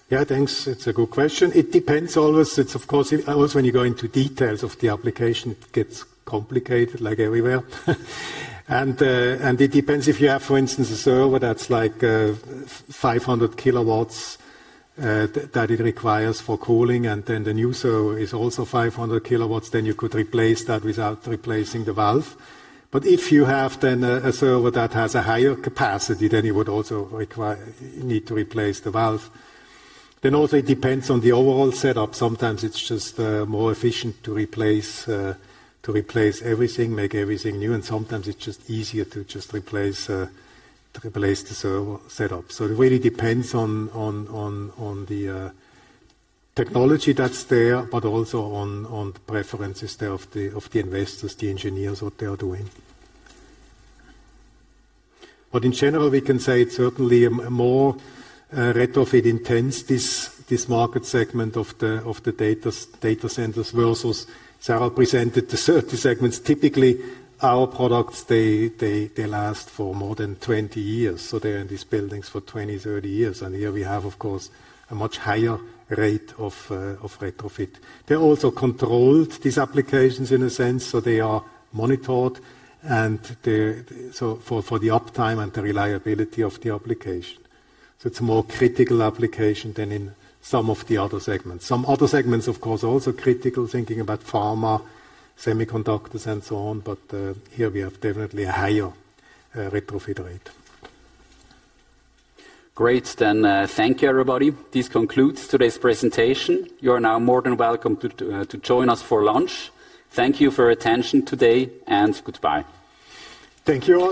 Yeah, thanks. It's a good question. It depends always. It's, of course, always when you go into details of the application, it gets complicated, like everywhere. It depends if you have, for instance, a server that's like, 500kW, that it requires for cooling, and then the new server is also 500kW, then you could replace that without replacing the valve. If you have then, a server that has a higher capacity, then you would also require need to replace the valve. Also, it depends on the overall setup. Sometimes it's just more efficient to replace, to replace everything, make everything new, and sometimes it's just easier to just replace, to replace the server setup. It really depends on the technology that's there, but also on the preferences there of the investors, the engineers, what they are doing. In general, we can say it's certainly more retrofit intense, this market segment of the data centers versus Sarah presented the certain segments. Typically, our products last for more than 20-years, so they're in these buildings for 20-30 years. Here we have, of course, a much higher rate of retrofit. They're also controlled, these applications, in a sense, so they are monitored for the uptime and the reliability of the application. It's a more critical application than in some of the other segments. Some other segments, of course, also critical, thinking about pharma, semiconductors, and so on, but, here we have definitely a higher, retrofit rate. Great. Thank you, everybody. This concludes today's presentation. You are now more than welcome to join us for lunch. Thank you for your attention today, goodbye. Thank you all!